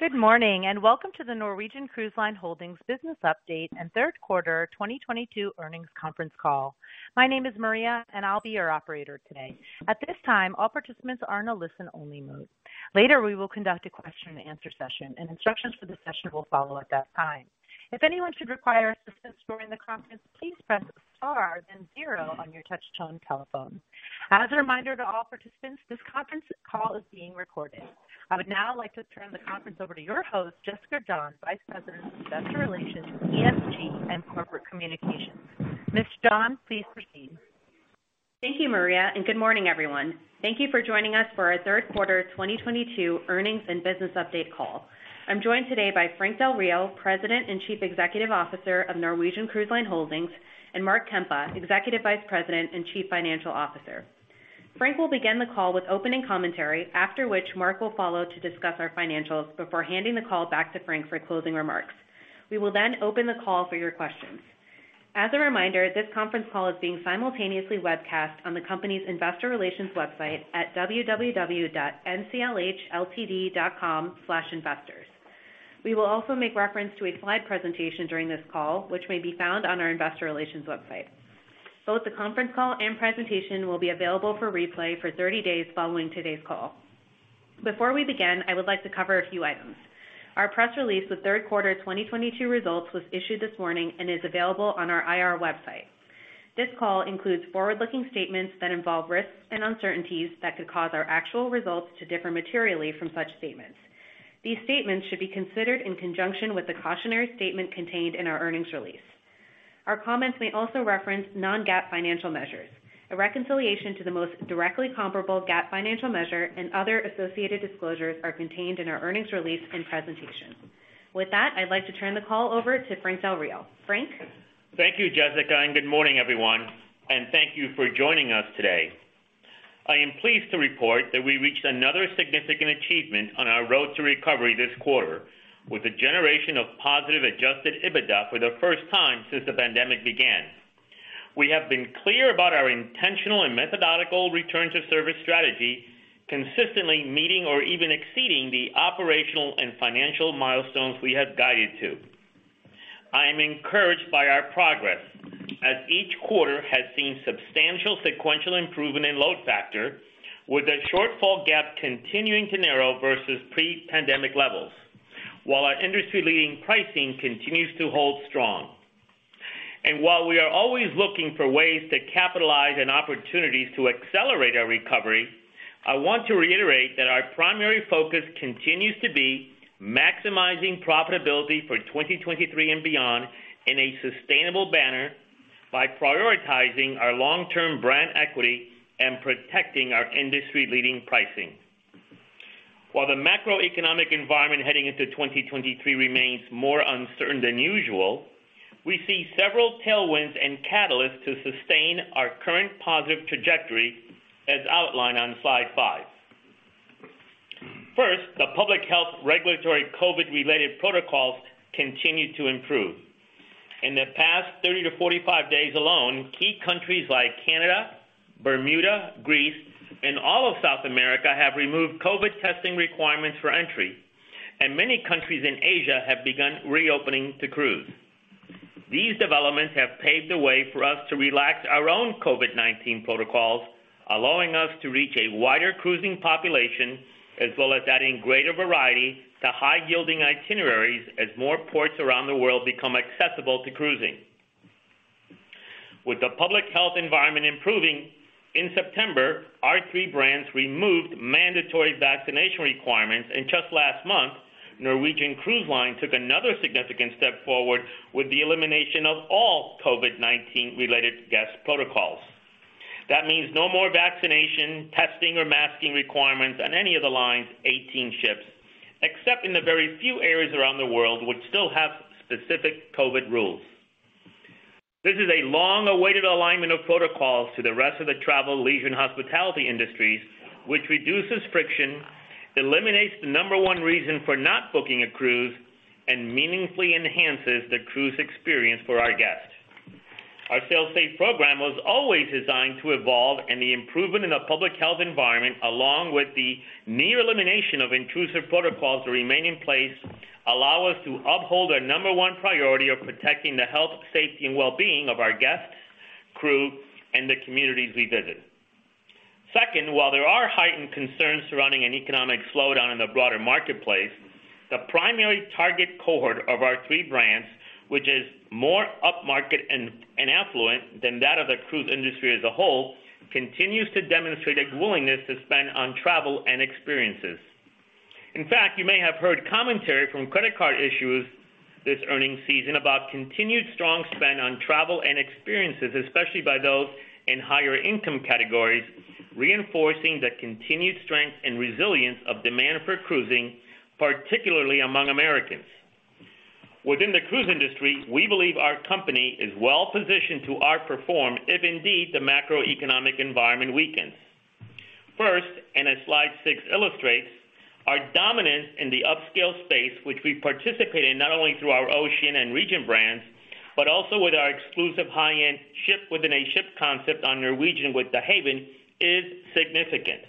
Good morning, and welcome to the Norwegian Cruise Line Holdings business update and third quarter 2022 earnings conference call. My name is Maria, and I'll be your operator today. At this time, all participants are in a listen-only mode. Later, we will conduct a question and answer session, and instructions for the session will follow at that time. If anyone should require assistance during the conference, please press star, then zero on your touch-tone telephone. As a reminder to all participants, this conference call is being recorded. I would now like to turn the conference over to your host, Jessica John, Vice President of Investor Relations, ESG, and Corporate Communications. Ms. John, please proceed. Thank you, Maria, and good morning, everyone. Thank you for joining us for our third quarter 2022 earnings and business update call. I'm joined today by Frank Del Rio, President and Chief Executive Officer of Norwegian Cruise Line Holdings, and Mark Kempa, Executive Vice President and Chief Financial Officer. Frank will begin the call with opening commentary, after which Mark will follow to discuss our financials before handing the call back to Frank for closing remarks. We will then open the call for your questions. As a reminder, this conference call is being simultaneously webcast on the company's investor relations website at www.nclhltd.com/investors. We will also make reference to a slide presentation during this call, which may be found on our investor relations website. Both the conference call and presentation will be available for replay for 30 days following today's call. Before we begin, I would like to cover a few items. Our press release with third quarter 2022 results was issued this morning and is available on our IR website. This call includes forward-looking statements that involve risks and uncertainties that could cause our actual results to differ materially from such statements. These statements should be considered in conjunction with the cautionary statement contained in our earnings release. Our comments may also reference non-GAAP financial measures. A reconciliation to the most directly comparable GAAP financial measure and other associated disclosures are contained in our earnings release and presentation. With that, I'd like to turn the call over to Frank Del Rio. Frank? Thank you, Jessica, and good morning, everyone, and thank you for joining us today. I am pleased to report that we reached another significant achievement on our road to recovery this quarter with the generation of positive Adjusted EBITDA for the first time since the pandemic began. We have been clear about our intentional and methodical return to service strategy, consistently meeting or even exceeding the operational and financial milestones we have guided to. I am encouraged by our progress as each quarter has seen substantial sequential improvement in load factor with a shortfall gap continuing to narrow versus pre-pandemic levels while our industry-leading pricing continues to hold strong. While we are always looking for ways to capitalize on opportunities to accelerate our recovery, I want to reiterate that our primary focus continues to be maximizing profitability for 2023 and beyond in a sustainable manner by prioritizing our long-term brand equity and protecting our industry-leading pricing. While the macroeconomic environment heading into 2023 remains more uncertain than usual, we see several tailwinds and catalysts to sustain our current positive trajectory as outlined on Slide 5. First, the public health regulatory COVID-related protocols continue to improve. In the past 30-45 days alone, key countries like Canada, Bermuda, Greece, and all of South America have removed COVID testing requirements for entry, and many countries in Asia have begun reopening to cruise. These developments have paved the way for us to relax our own COVID-19 protocols, allowing us to reach a wider cruising population, as well as adding greater variety to high-yielding itineraries as more ports around the world become accessible to cruising. With the public health environment improving, in September, our three brands removed mandatory vaccination requirements, and just last month, Norwegian Cruise Line took another significant step forward with the elimination of all COVID-19 related guest protocols. That means no more vaccination, testing, or masking requirements on any of the line's 18 ships, except in the very few areas around the world which still have specific COVID rules. This is a long-awaited alignment of protocols to the rest of the travel, leisure, and hospitality industries, which reduces friction, eliminates the number one reason for not booking a cruise, and meaningfully enhances the cruise experience for our guests. Our Sail Safe program was always designed to evolve, and the improvement in the public health environment, along with the near elimination of intrusive protocols that remain in place, allow us to uphold our number one priority of protecting the health, safety, and well-being of our guests, crew, and the communities we visit. Second, while there are heightened concerns surrounding an economic slowdown in the broader marketplace, the primary target cohort of our three brands, which is more upmarket and affluent than that of the cruise industry as a whole, continues to demonstrate a willingness to spend on travel and experiences. In fact, you may have heard commentary from credit card issuers this earnings season about continued strong spend on travel and experiences, especially by those in higher income categories, reinforcing the continued strength and resilience of demand for cruising, particularly among Americans. Within the cruise industry, we believe our company is well-positioned to outperform if indeed the macroeconomic environment weakens. First, as Slide 6 illustrates, our dominance in the upscale space, which we participate in not only through our Oceania and Regent brands, but also with our exclusive high-end ship within a ship concept on Norwegian with The Haven, is significant.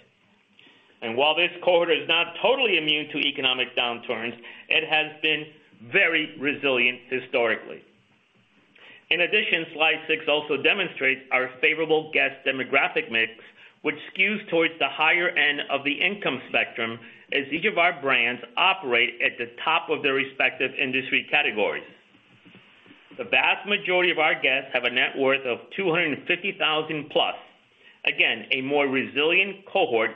While this cohort is not totally immune to economic downturns, it has been very resilient historically. In addition, Slide 6 also demonstrates our favorable guest demographic mix, which skews towards the higher end of the income spectrum, as each of our brands operate at the top of their respective industry categories. The vast majority of our guests have a net worth of 250,000+. Again, a more resilient cohort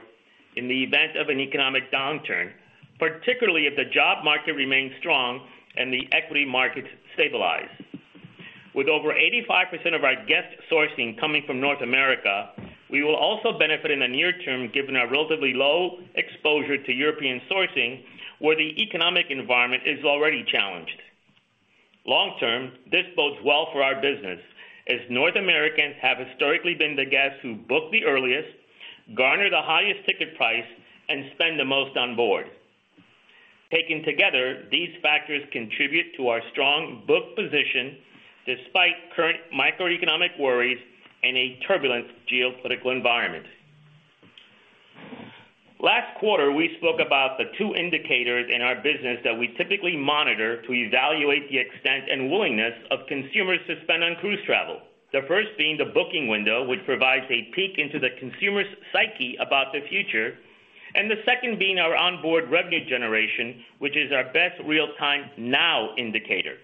in the event of an economic downturn, particularly if the job market remains strong and the equity markets stabilize. With over 85% of our guest sourcing coming from North America, we will also benefit in the near term, given our relatively low exposure to European sourcing, where the economic environment is already challenged. Long-term, this bodes well for our business, as North Americans have historically been the guests who book the earliest, garner the highest ticket price, and spend the most on board. Taken together, these factors contribute to our strong book position despite current macroeconomic worries and a turbulent geopolitical environment. Last quarter, we spoke about the two indicators in our business that we typically monitor to evaluate the extent and willingness of consumers to spend on cruise travel. The first being the booking window, which provides a peek into the consumer's psyche about the future. The second being our onboard revenue generation, which is our best real-time now indicator.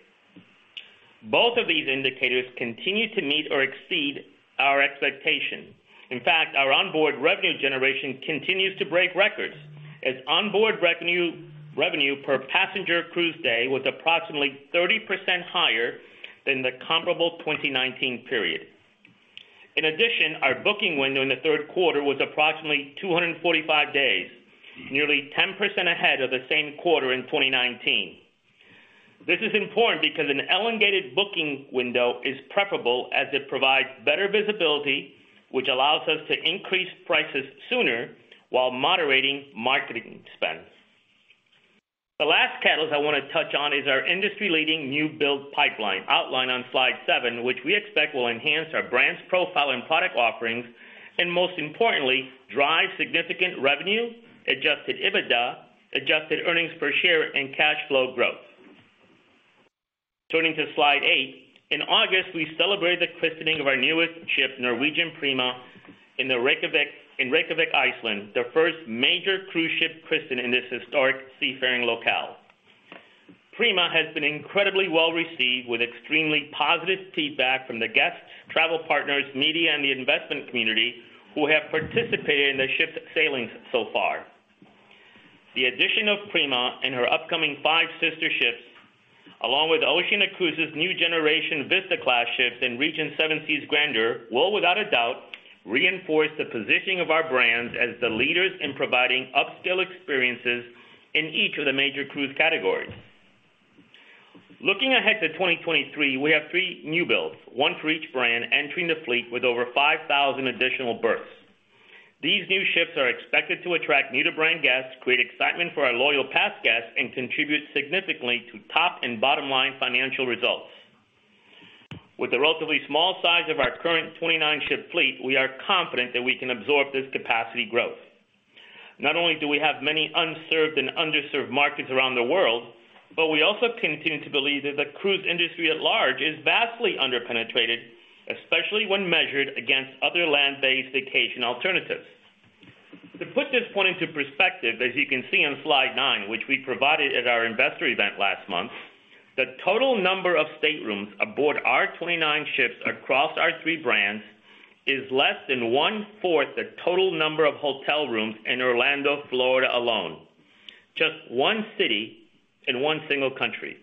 Both of these indicators continue to meet or exceed our expectations. In fact, our onboard revenue generation continues to break records, as onboard revenue per passenger cruise day was approximately 30% higher than the comparable 2019 period. In addition, our booking window in the third quarter was approximately 245 days, nearly 10% ahead of the same quarter in 2019. This is important because an elongated booking window is preferable as it provides better visibility, which allows us to increase prices sooner while moderating marketing spends. The last catalyst I wanna touch on is our industry-leading new build pipeline outlined on Slide 7, which we expect will enhance our brand's profile and product offerings, and most importantly, drive significant revenue, Adjusted EBITDA, adjusted earnings per share, and cash flow growth. Turning to Slide 8. In August, we celebrated the christening of our newest ship, Norwegian Prima, in Reykjavík, Iceland, the first major cruise ship christening in this historic seafaring locale. Prima has been incredibly well-received with extremely positive feedback from the guests, travel partners, media, and the investment community who have participated in the ship's sailings so far. The addition of Prima and her upcoming five sister ships, along with Oceania Cruises' new generation Allura-class ships and Regent Seven Seas Grandeur, will without a doubt reinforce the positioning of our brands as the leaders in providing upscale experiences in each of the major cruise categories. Looking ahead to 2023, we have three new builds, one for each brand entering the fleet with over 5,000 additional berths. These new ships are expected to attract new-to-brand guests, create excitement for our loyal past guests, and contribute significantly to top and bottom-line financial results. With the relatively small size of our current 29-ship fleet, we are confident that we can absorb this capacity growth. Not only do we have many unserved and underserved markets around the world, but we also continue to believe that the cruise industry at large is vastly underpenetrated, especially when measured against other land-based vacation alternatives. To put this point into perspective, as you can see on Slide 9, which we provided at our investor event last month, the total number of staterooms aboard our 29 ships across our three brands is less than 1/4 of the total number of hotel rooms in Orlando, Florida alone, just one city in one single country.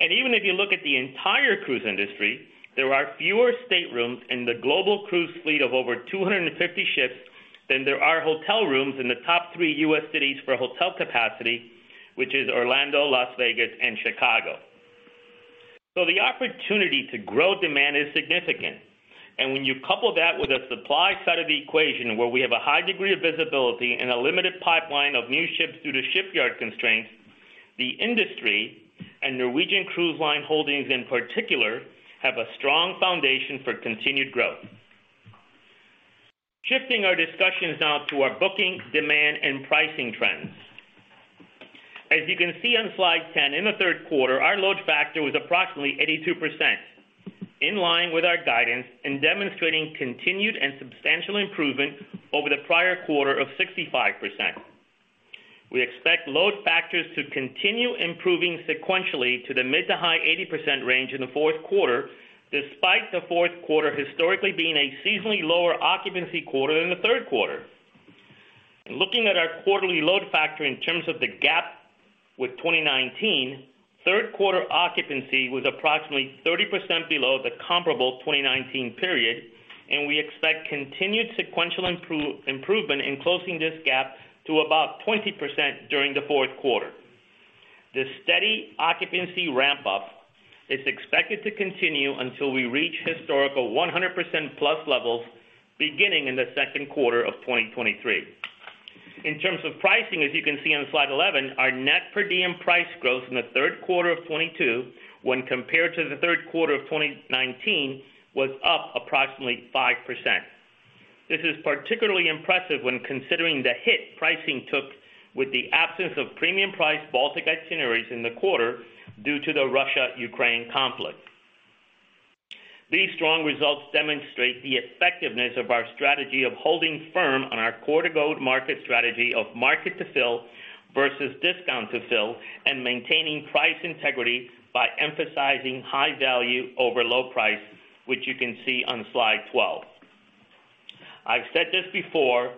Even if you look at the entire cruise industry, there are fewer staterooms in the global cruise fleet of over 250 ships than there are hotel rooms in the top three U.S. cities for hotel capacity, which is Orlando, Las Vegas, and Chicago. The opportunity to grow demand is significant. When you couple that with a supply side of the equation where we have a high degree of visibility and a limited pipeline of new ships due to shipyard constraints, the industry and Norwegian Cruise Line Holdings, in particular, have a strong foundation for continued growth. Shifting our discussions now to our booking demand and pricing trends. As you can see on Slide 10, in the third quarter, our load factor was approximately 82%, in line with our guidance and demonstrating continued and substantial improvement over the prior quarter of 65%. We expect load factors to continue improving sequentially to the mid- to high-80% range in the fourth quarter, despite the fourth quarter historically being a seasonally lower occupancy quarter than the third quarter. Looking at our quarterly load factor in terms of the gap with 2019, third quarter occupancy was approximately 30% below the comparable 2019 period, and we expect continued sequential improvement in closing this gap to about 20% during the fourth quarter. The steady occupancy ramp-up is expected to continue until we reach historical 100% plus levels beginning in the second quarter of 2023. In terms of pricing, as you can see on Slide 11, our Net Per Diem price growth in the third quarter of 2022 when compared to the third quarter of 2019 was up approximately 5%. This is particularly impressive when considering the hit pricing took with the absence of premium price Baltic itineraries in the quarter due to the Russia-Ukraine conflict. These strong results demonstrate the effectiveness of our strategy of holding firm on our core goal market strategy of market to fill versus discount to fill, and maintaining price integrity by emphasizing high value over low price, which you can see on Slide 12. I've said this before,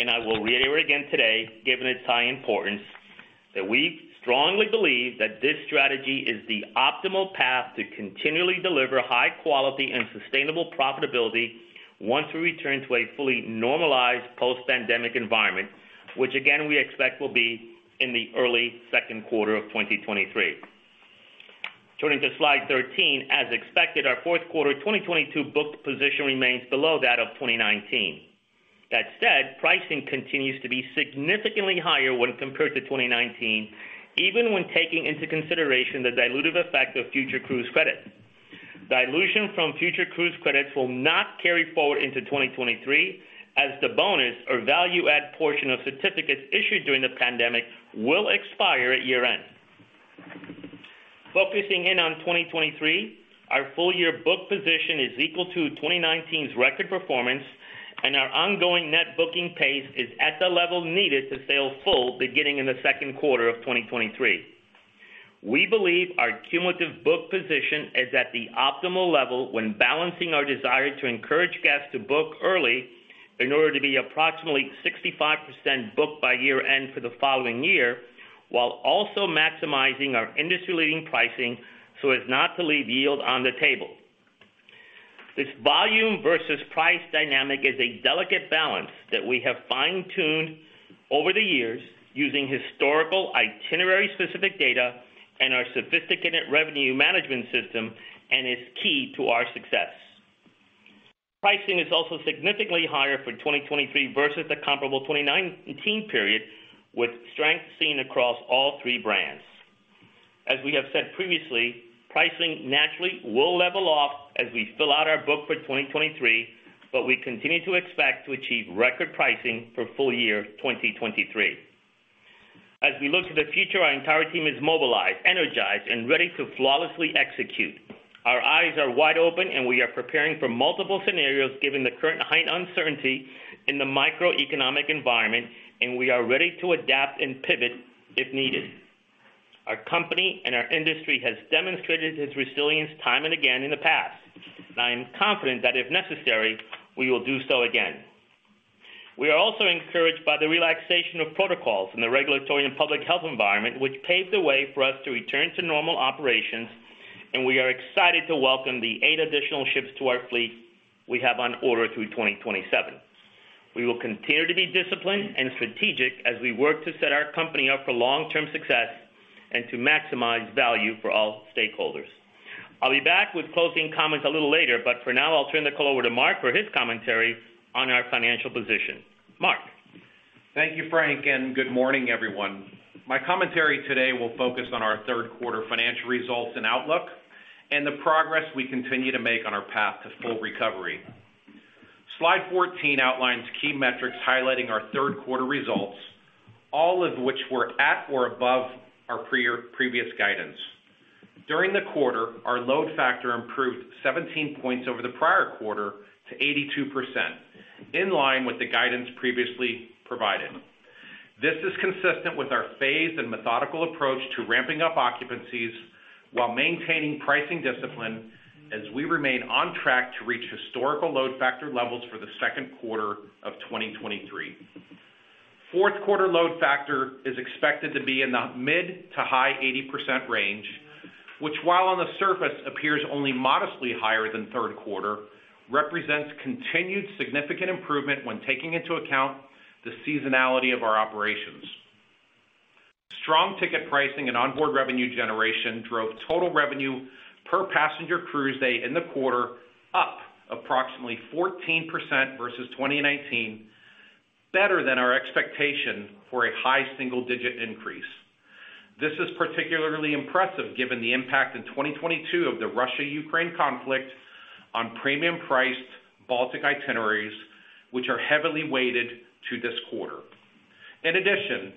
and I will reiterate again today, given its high importance, that we strongly believe that this strategy is the optimal path to continually deliver high quality and sustainable profitability once we return to a fully normalized post-pandemic environment, which again, we expect will be in the early second quarter of 2023. Turning to Slide 13, as expected, our fourth quarter 2022 book position remains below that of 2019. That said, pricing continues to be significantly higher when compared to 2019, even when taking into consideration the dilutive effect of future cruise credits. Dilution from future cruise credits will not carry forward into 2023 as the bonus or value add portion of certificates issued during the pandemic will expire at year-end. Focusing in on 2023, our full year book position is equal to 2019's record performance, and our ongoing net booking pace is at the level needed to sail full beginning in the second quarter of 2023. We believe our cumulative book position is at the optimal level when balancing our desire to encourage guests to book early in order to be approximately 65% booked by year-end for the following year, while also maximizing our industry-leading pricing so as not to leave yield on the table. This volume versus price dynamic is a delicate balance that we have fine-tuned over the years using historical itinerary-specific data and our sophisticated revenue management system, and is key to our success. Pricing is also significantly higher for 2023 versus the comparable 2019 period, with strength seen across all three brands. As we have said previously, pricing naturally will level off as we fill out our book for 2023, but we continue to expect to achieve record pricing for full year 2023. As we look to the future our entire team is mobilized, energized, and ready to flawlessly execute. Our eyes are wide open, and we are preparing for multiple scenarios given the current high uncertainty in the macroeconomic environment, and we are ready to adapt and pivot if needed. Our company and our industry has demonstrated its resilience time and again in the past. I am confident that if necessary, we will do so again. We are also encouraged by the relaxation of protocols in the regulatory and public health environment, which paved the way for us to return to normal operations, and we are excited to welcome the eight additional ships to our fleet we have on order through 2027. We will continue to be disciplined and strategic as we work to set our company up for long-term success and to maximize value for all stakeholders. I'll be back with closing comments a little later, but for now, I'll turn the call over to Mark for his commentary on our financial position. Mark? Thank you, Frank, and good morning, everyone. My commentary today will focus on our third quarter financial results and outlook and the progress we continue to make on our path to full recovery. Slide 14 outlines key metrics highlighting our third quarter results, all of which were at or above our prior-year guidance. During the quarter, our load factor improved 17 points over the prior quarter to 82%, in line with the guidance previously provided. This is consistent with our phased and methodical approach to ramping up occupancies while maintaining pricing discipline as we remain on track to reach historical load factor levels for the second quarter of 2023. Fourth quarter load factor is expected to be in the mid- to high-80% range, which while on the surface appears only modestly higher than third quarter, represents continued significant improvement when taking into account the seasonality of our operations. Strong ticket pricing and onboard revenue generation drove total revenue per passenger cruise day in the quarter up approximately 14% versus 2019, better than our expectation for a high single-digit increase. This is particularly impressive given the impact in 2022 of the Russia-Ukraine conflict on premium-priced Baltic itineraries, which are heavily weighted to this quarter. In addition,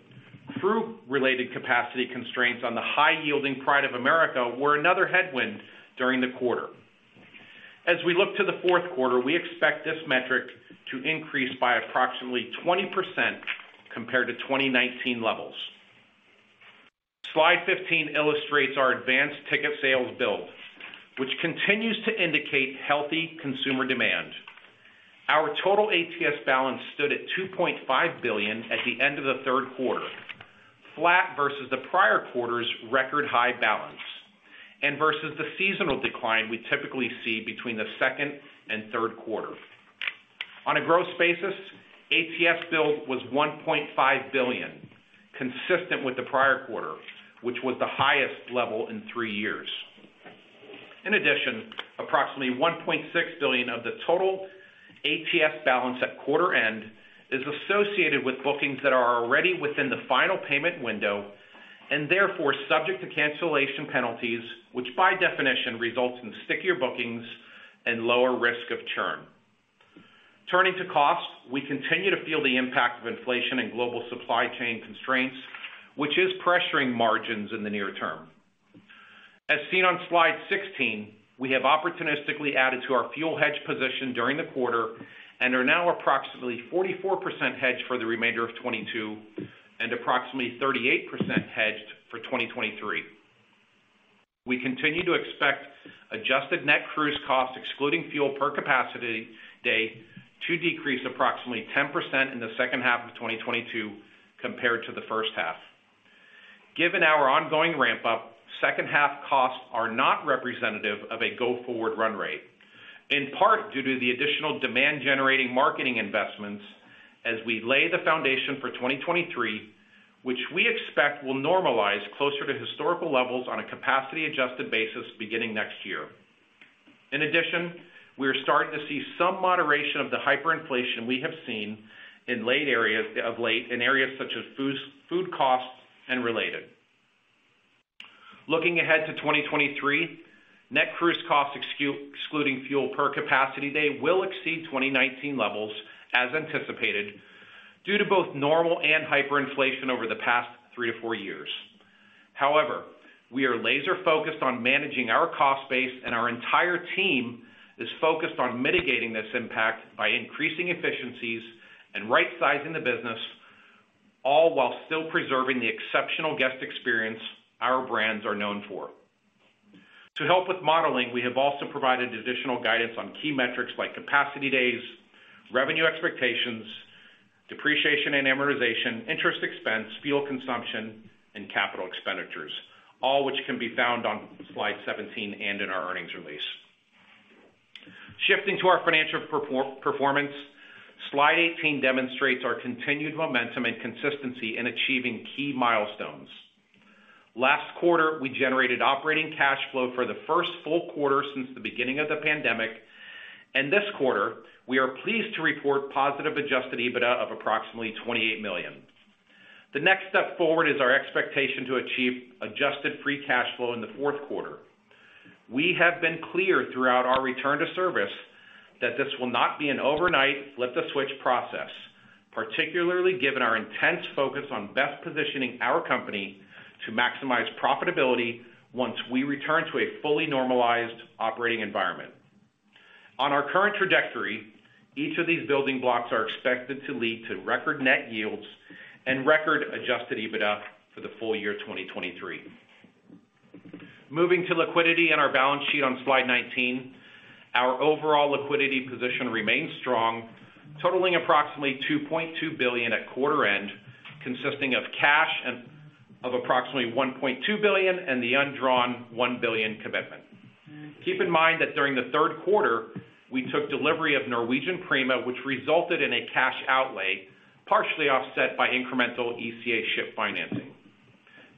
crew-related capacity constraints on the high-yielding Pride of America were another headwind during the quarter. As we look to the fourth quarter, we expect this metric to increase by approximately 20% compared to 2019 levels. Slide 15 illustrates our advanced ticket sales build, which continues to indicate healthy consumer demand. Our total ATS balance stood at $2.5 billion at the end of the third quarter, flat versus the prior quarter's record-high balance, and versus the seasonal decline we typically see between the second and third quarter. On a gross basis, ATS build was $1.5 billion, consistent with the prior quarter, which was the highest level in three years. In addition, approximately $1.6 billion of the total ATS balance at quarter end is associated with bookings that are already within the final payment window and therefore subject to cancellation penalties, which by definition results in stickier bookings and lower risk of churn. Turning to cost, we continue to feel the impact of inflation and global supply chain constraints, which is pressuring margins in the near term. As seen on Slide 16, we have opportunistically added to our fuel hedge position during the quarter and are now approximately 44% hedged for the remainder of 2022, and approximately 38% hedged for 2023. We continue to expect Adjusted Net Cruise Costs excluding Fuel per Capacity Day to decrease approximately 10% in the second half of 2022 compared to the first half. Given our ongoing ramp up, second half costs are not representative of a go-forward run rate, in part due to the additional demand-generating marketing investments as we lay the foundation for 2023, which we expect will normalize closer to historical levels on a capacity-adjusted basis beginning next year. In addition, we are starting to see some moderation of the hyperinflation we have seen of late in areas such as food costs and related. Looking ahead to 2023, Net Cruise Costs excluding Fuel per Capacity Day will exceed 2019 levels as anticipated due to both normal and hyperinflation over the past 3-4 years. However, we are laser-focused on managing our cost base, and our entire team is focused on mitigating this impact by increasing efficiencies and rightsizing the business, all while still preserving the exceptional guest experience our brands are known for. To help with modeling, we have also provided additional guidance on key metrics like Capacity Days, revenue expectations, depreciation and amortization, interest expense, fuel consumption, and capital expenditures, all which can be found on Slide 17 and in our earnings release. Shifting to our financial performance, Slide 18 demonstrates our continued momentum and consistency in achieving key milestones. Last quarter, we generated operating cash flow for the first full quarter since the beginning of the pandemic. This quarter, we are pleased to report positive Adjusted EBITDA of approximately $28 million. The next step forward is our expectation to achieve adjusted free cash flow in the fourth quarter. We have been clear throughout our return to service that this will not be an overnight flip the switch process, particularly given our intense focus on best positioning our company to maximize profitability once we return to a fully normalized operating environment. On our current trajectory, each of these building blocks are expected to lead to record net yields and record Adjusted EBITDA for the full year 2023. Moving to liquidity and our balance sheet on Slide 19. Our overall liquidity position remains strong, totaling approximately $2.2 billion at quarter end, consisting of cash on hand of approximately $1.2 billion and the undrawn $1 billion commitment. Keep in mind that during the third quarter, we took delivery of Norwegian Prima, which resulted in a cash outlay, partially offset by incremental ECA ship financing.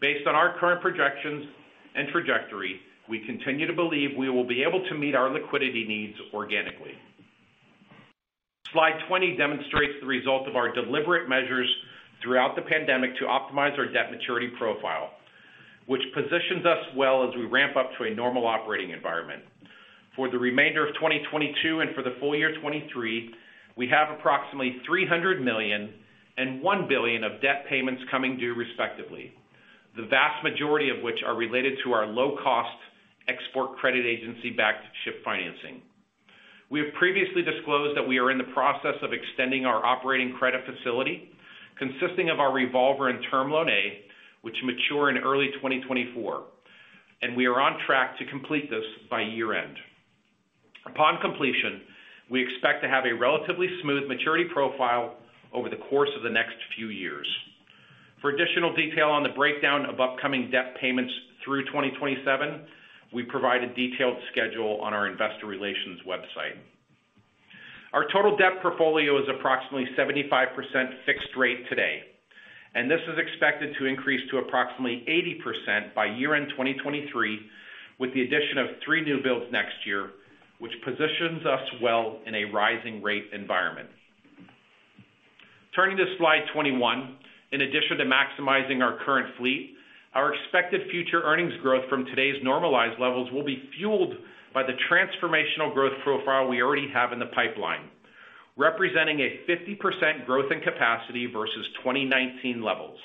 Based on our current projections and trajectory, we continue to believe we will be able to meet our liquidity needs organically. Slide 20 demonstrates the result of our deliberate measures throughout the pandemic to optimize our debt maturity profile, which positions us well as we ramp up to a normal operating environment. For the remainder of 2022 and for the full year 2023, we have approximately $300 million and $1 billion of debt payments coming due, respectively, the vast majority of which are related to our low-cost export credit agency-backed ship financing. We have previously disclosed that we are in the process of extending our operating credit facility consisting of our revolver and term loan A, which mature in early 2024, and we are on track to complete this by year-end. Upon completion, we expect to have a relatively smooth maturity profile over the course of the next few years. For additional detail on the breakdown of upcoming debt payments through 2027, we provide a detailed schedule on our investor relations website. Our total debt portfolio is approximately 75% fixed rate today, and this is expected to increase to approximately 80% by year-end 2023, with the addition of 3 new builds next year, which positions us well in a rising rate environment. Turning to Slide 21, in addition to maximizing our current fleet, our expected future earnings growth from today's normalized levels will be fueled by the transformational growth profile we already have in the pipeline, representing a 50% growth in capacity versus 2019 levels.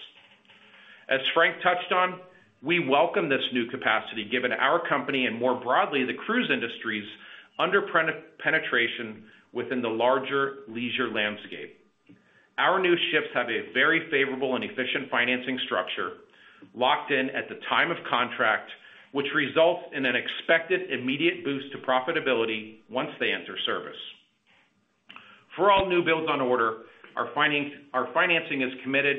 As Frank touched on, we welcome this new capacity given our company and more broadly, the cruise industry's underpenetration within the larger leisure landscape. Our new ships have a very favorable and efficient financing structure locked in at the time of contract, which results in an expected immediate boost to profitability once they enter service. For all new builds on order, our financing is committed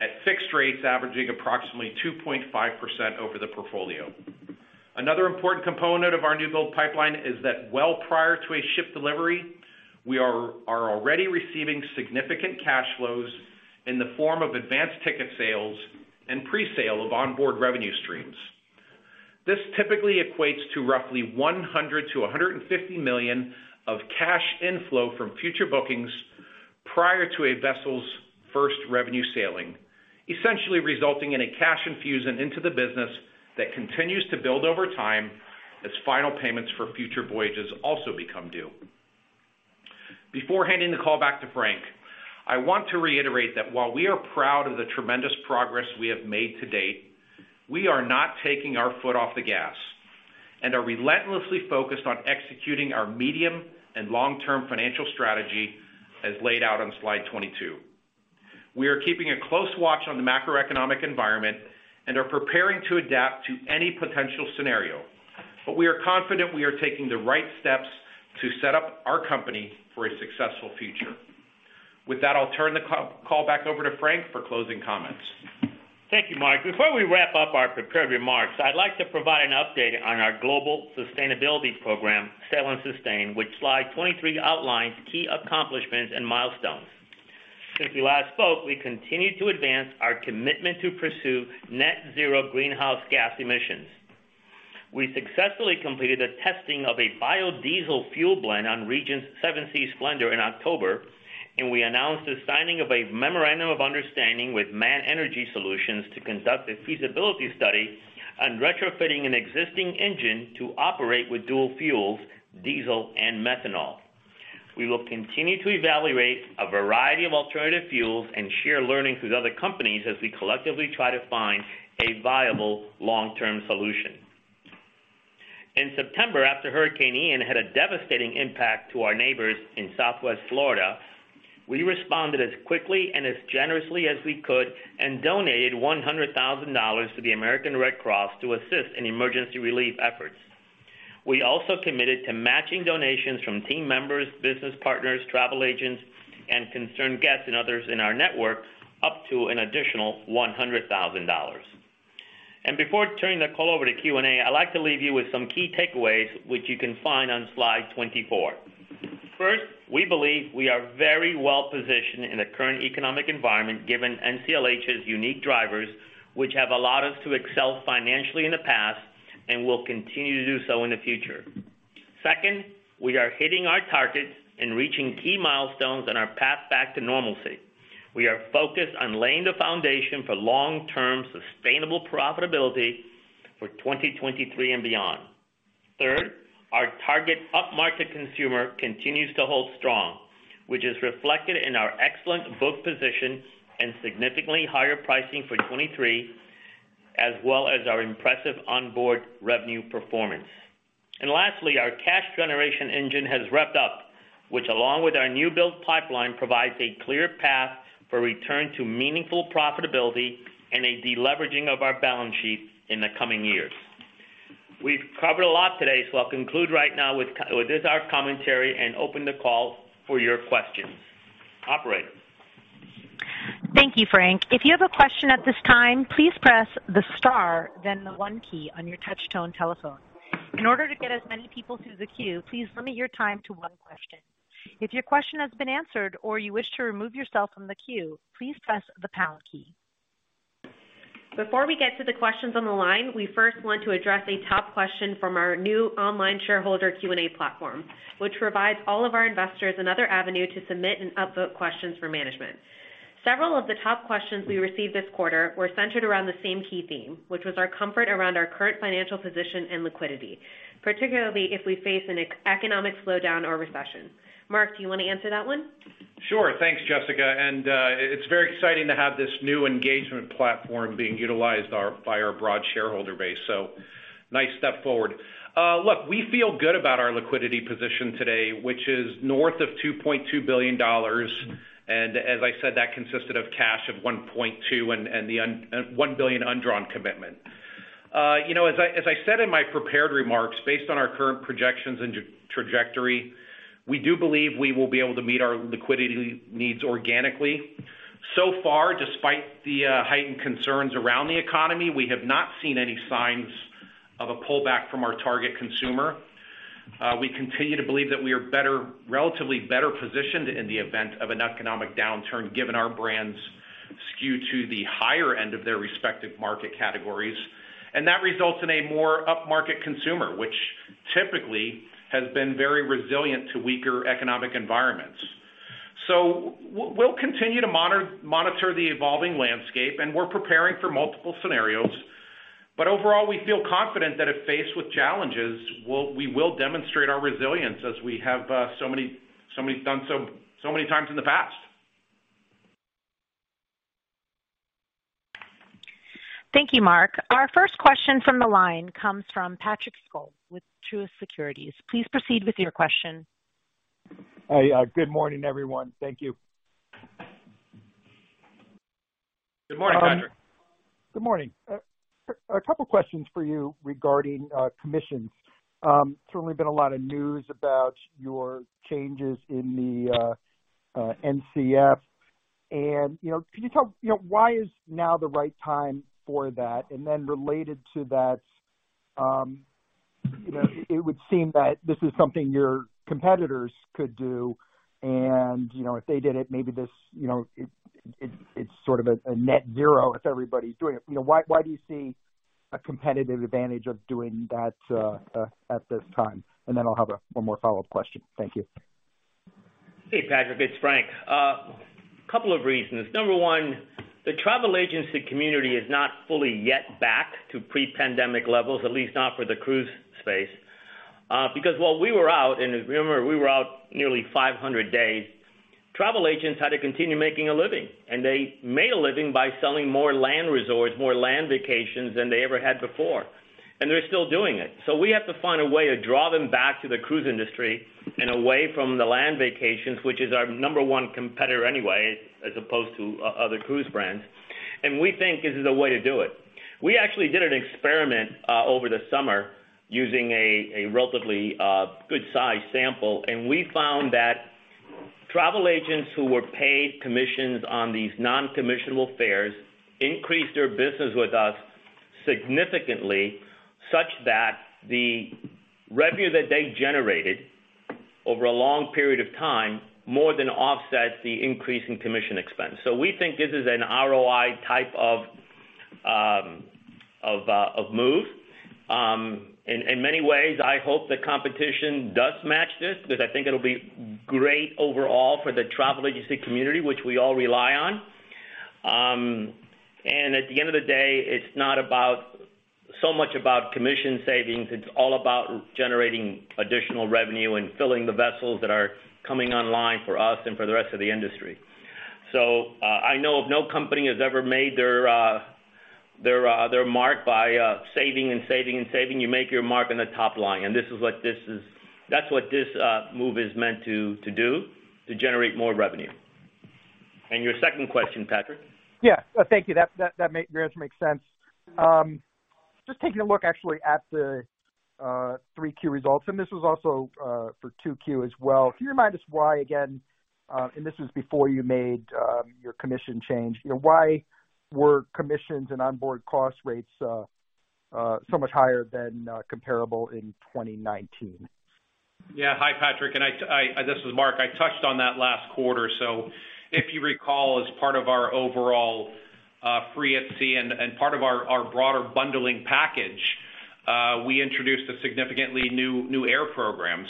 at fixed rates averaging approximately 2.5% over the portfolio. Another important component of our new build pipeline is that well prior to a ship delivery, we are already receiving significant cash flows in the form of advanced ticket sales and presale of onboard revenue streams. This typically equates to roughly $100 million-$150 million of cash inflow from future bookings prior to a vessel's first revenue sailing, essentially resulting in a cash infusion into the business that continues to build over time as final payments for future voyages also become due. Before handing the call back to Frank, I want to reiterate that while we are proud of the tremendous progress we have made to date, we are not taking our foot off the gas and are relentlessly focused on executing our medium and long-term financial strategy as laid out on Slide 22. We are keeping a close watch on the macroeconomic environment and are preparing to adapt to any potential scenario. We are confident we are taking the right steps to set up our company for a successful future. With that, I'll turn the call back over to Frank for closing comments. Thank you, Mark. Before we wrap up our prepared remarks, I'd like to provide an update on our global sustainability program, Sail and Sustain, which Slide 23 outlines key accomplishments and milestones. Since we last spoke, we continued to advance our commitment to pursue Net Zero greenhouse gas emissions. We successfully completed the testing of a biodiesel fuel blend on Regent Seven Seas Splendor in October, and we announced the signing of a memorandum of understanding with MAN Energy Solutions to conduct a feasibility study on retrofitting an existing engine to operate with dual fuels, diesel and methanol. We will continue to evaluate a variety of alternative fuels and share learnings with other companies as we collectively try to find a viable long-term solution. In September, after Hurricane Ian had a devastating impact to our neighbors in Southwest Florida, we responded as quickly and as generously as we could and donated $100,000 to the American Red Cross to assist in emergency relief efforts. We also committed to matching donations from team members, business partners, travel agents, and concerned guests and others in our network up to an additional $100,000. Before turning the call over to Q&A, I'd like to leave you with some key takeaways which you can find on slide 24. First, we believe we are very well-positioned in the current economic environment, given NCLH's unique drivers, which have allowed us to excel financially in the past and will continue to do so in the future. Second, we are hitting our targets and reaching key milestones on our path back to normalcy. We are focused on laying the foundation for long-term sustainable profitability for 2023 and beyond. Third, our target upmarket consumer continues to hold strong, which is reflected in our excellent book position and significantly higher pricing for 2023, as well as our impressive onboard revenue performance. Lastly, our cash generation engine has revved up, which, along with our new build pipeline, provides a clear path for return to meaningful profitability and a deleveraging of our balance sheet in the coming years. We've covered a lot today, so I'll conclude right now with this, our commentary and open the call for your questions. Operator? Thank you, Frank. If you have a question at this time, please press the star, then the one key on your touchtone telephone. In order to get as many people through the queue, please limit your time to one question. If your question has been answered or you wish to remove yourself from the queue, please press the pound key. Before we get to the questions on the line, we first want to address a top question from our new online shareholder Q&A platform, which provides all of our investors another avenue to submit and upvote questions for management. Several of the top questions we received this quarter were centered around the same key theme, which was our comfort around our current financial position and liquidity, particularly if we face an economic slowdown or recession. Mark, do you wanna answer that one? Sure. Thanks, Jessica. It's very exciting to have this new engagement platform being utilized by our broad shareholder base. Nice step forward. Look, we feel good about our liquidity position today, which is north of $2.2 billion. As I said, that consisted of cash of $1.2 billion and one billion undrawn commitment. You know, as I said in my prepared remarks, based on our current projections and trajectory, we do believe we will be able to meet our liquidity needs organically. So far, despite the heightened concerns around the economy, we have not seen any signs of a pullback from our target consumer. We continue to believe that we are better positioned relatively in the event of an economic downturn, given our brands skew to the higher end of their respective market categories. That results in a more upmarket consumer, which typically has been very resilient to weaker economic environments. We'll continue to monitor the evolving landscape, and we're preparing for multiple scenarios. Overall, we feel confident that if faced with challenges, we'll demonstrate our resilience as we have so many times in the past. Thank you, Mark. Our first question from the line comes from Patrick Scholes with Truist Securities. Please proceed with your question. Hi. Good morning, everyone. Thank you. Good morning, Patrick. Good morning. A couple questions for you regarding commissions. Certainly been a lot of news about your changes in the NCF. You know, can you tell, you know, why is now the right time for that? Then related to that, you know, it would seem that this is something your competitors could do, and, you know, if they did it, maybe this, you know, it's sort of a Net Zero if everybody's doing it. You know, why do you see a competitive advantage of doing that at this time? Then I'll have one more follow-up question. Thank you. Hey, Patrick, it's Frank. Couple of reasons. Number one, the travel agency community is not fully yet back to pre-pandemic levels, at least not for the cruise space. Because while we were out, and if you remember, we were out nearly 500 days, travel agents had to continue making a living, and they made a living by selling more land resorts, more land vacations than they ever had before. They're still doing it. We have to find a way to draw them back to the cruise industry and away from the land vacations, which is our number one competitor anyway, as opposed to other cruise brands. We think this is a way to do it. We actually did an experiment over the summer using a relatively good size sample, and we found that travel agents who were paid commissions on these Non-Commissionable Fares increased their business with us significantly such that the revenue that they generated over a long period of time more than offsets the increase in commission expense. We think this is an ROI type of move. In many ways, I hope the competition does match this because I think it'll be great overall for the travel agency community, which we all rely on. At the end of the day, it's not so much about commission savings, it's all about generating additional revenue and filling the vessels that are coming online for us and for the rest of the industry. I know of no company has ever made their mark by saving and saving and saving. You make your mark in the top line, and this is what this is. That's what this move is meant to do, to generate more revenue. Your second question, Patrick? Yeah. Thank you. That makes sense. Just taking a look actually at the 3Q results, and this was also for 2Q as well. Can you remind us why, again, and this is before you made your commission change. You know, why were commissions and onboard cost rates so much higher than comparable in 2019? Yeah. Hi, Patrick. This is Mark. I touched on that last quarter. If you recall, as part of our overall Free at Sea and part of our broader bundling package, we introduced a significantly new air program.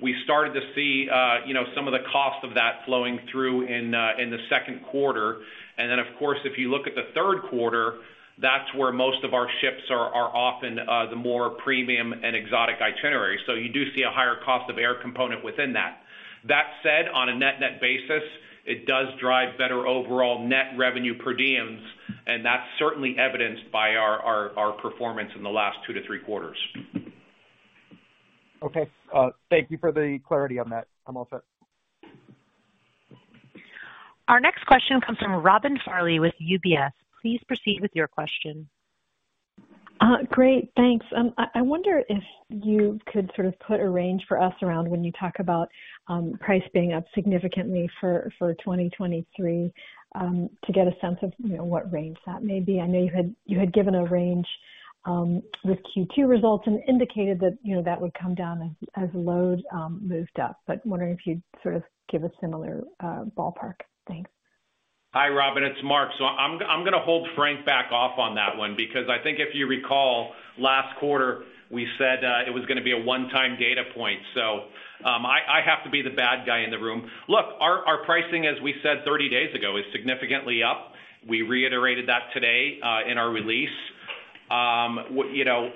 We started to see, you know, some of the cost of that flowing through in the second quarter. Of course, if you look at the third quarter, that's where most of our ships are often the more premium and exotic itineraries. You do see a higher cost of air component within that. That said, on a net-net basis, it does drive better overall net revenue per diems, and that's certainly evidenced by our performance in the last 2 to 3 quarters. Okay. Thank you for the clarity on that. I'm all set. Our next question comes from Robin Farley with UBS. Please proceed with your question. Great, thanks. I wonder if you could sort of put a range for us around when you talk about price being up significantly for 2023, to get a sense of, you know, what range that may be. I know you had given a range with Q2 results and indicated that, you know, that would come down as load moved up, but wondering if you'd sort of give a similar ballpark. Thanks. Hi, Robin. It's Mark. I'm gonna hold Frank back off on that one because I think if you recall, last quarter we said it was gonna be a one-time data point. I have to be the bad guy in the room. Look, our pricing, as we said 30 days ago, is significantly up. We reiterated that today in our release. You know,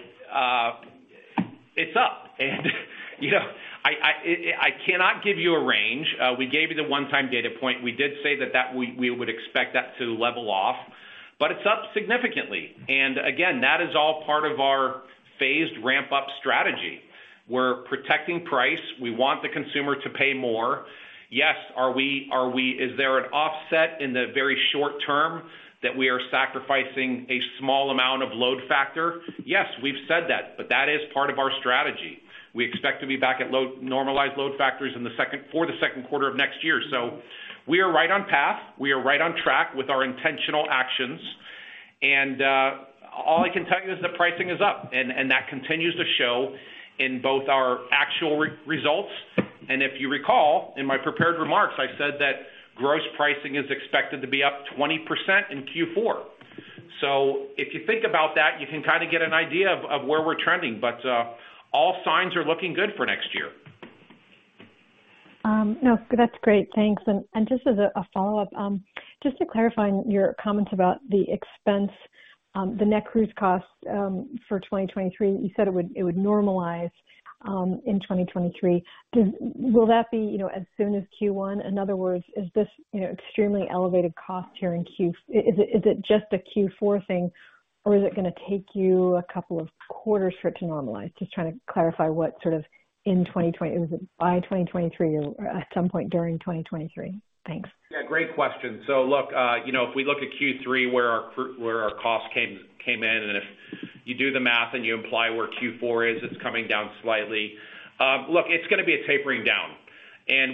it's up. You know, I cannot give you a range. We gave you the one-time data point. We did say that we would expect that to level off, but it's up significantly. Again, that is all part of our phased ramp-up strategy. We're protecting price. We want the consumer to pay more. Yes, is there an offset in the very short term that we are sacrificing a small amount of load factor? Yes, we've said that, but that is part of our strategy. We expect to be back at normalized load factors for the second quarter of next year. We are right on path. We are right on track with our intentional actions. All I can tell you is that pricing is up and that continues to show in both our actual results. If you recall, in my prepared remarks, I said that gross pricing is expected to be up 20% in Q4. If you think about that, you can kind of get an idea of where we're trending. All signs are looking good for next year. No, that's great. Thanks. Just as a follow-up, just to clarify your comments about the expense, the net cruise costs for 2023. You said it would normalize in 2023. Will that be, you know, as soon as Q1? In other words, is this, you know, extremely elevated cost here in Q4? Is it just a Q4 thing, or is it gonna take you a couple of quarters for it to normalize? Just trying to clarify what sort of in 2023. Is it by 2023 or at some point during 2023? Thanks. Yeah, great question. Look, you know, if we look at Q3 where our costs came in and you do the math, and you imply where Q4 is, it's coming down slightly. Look, it's gonna be a tapering down.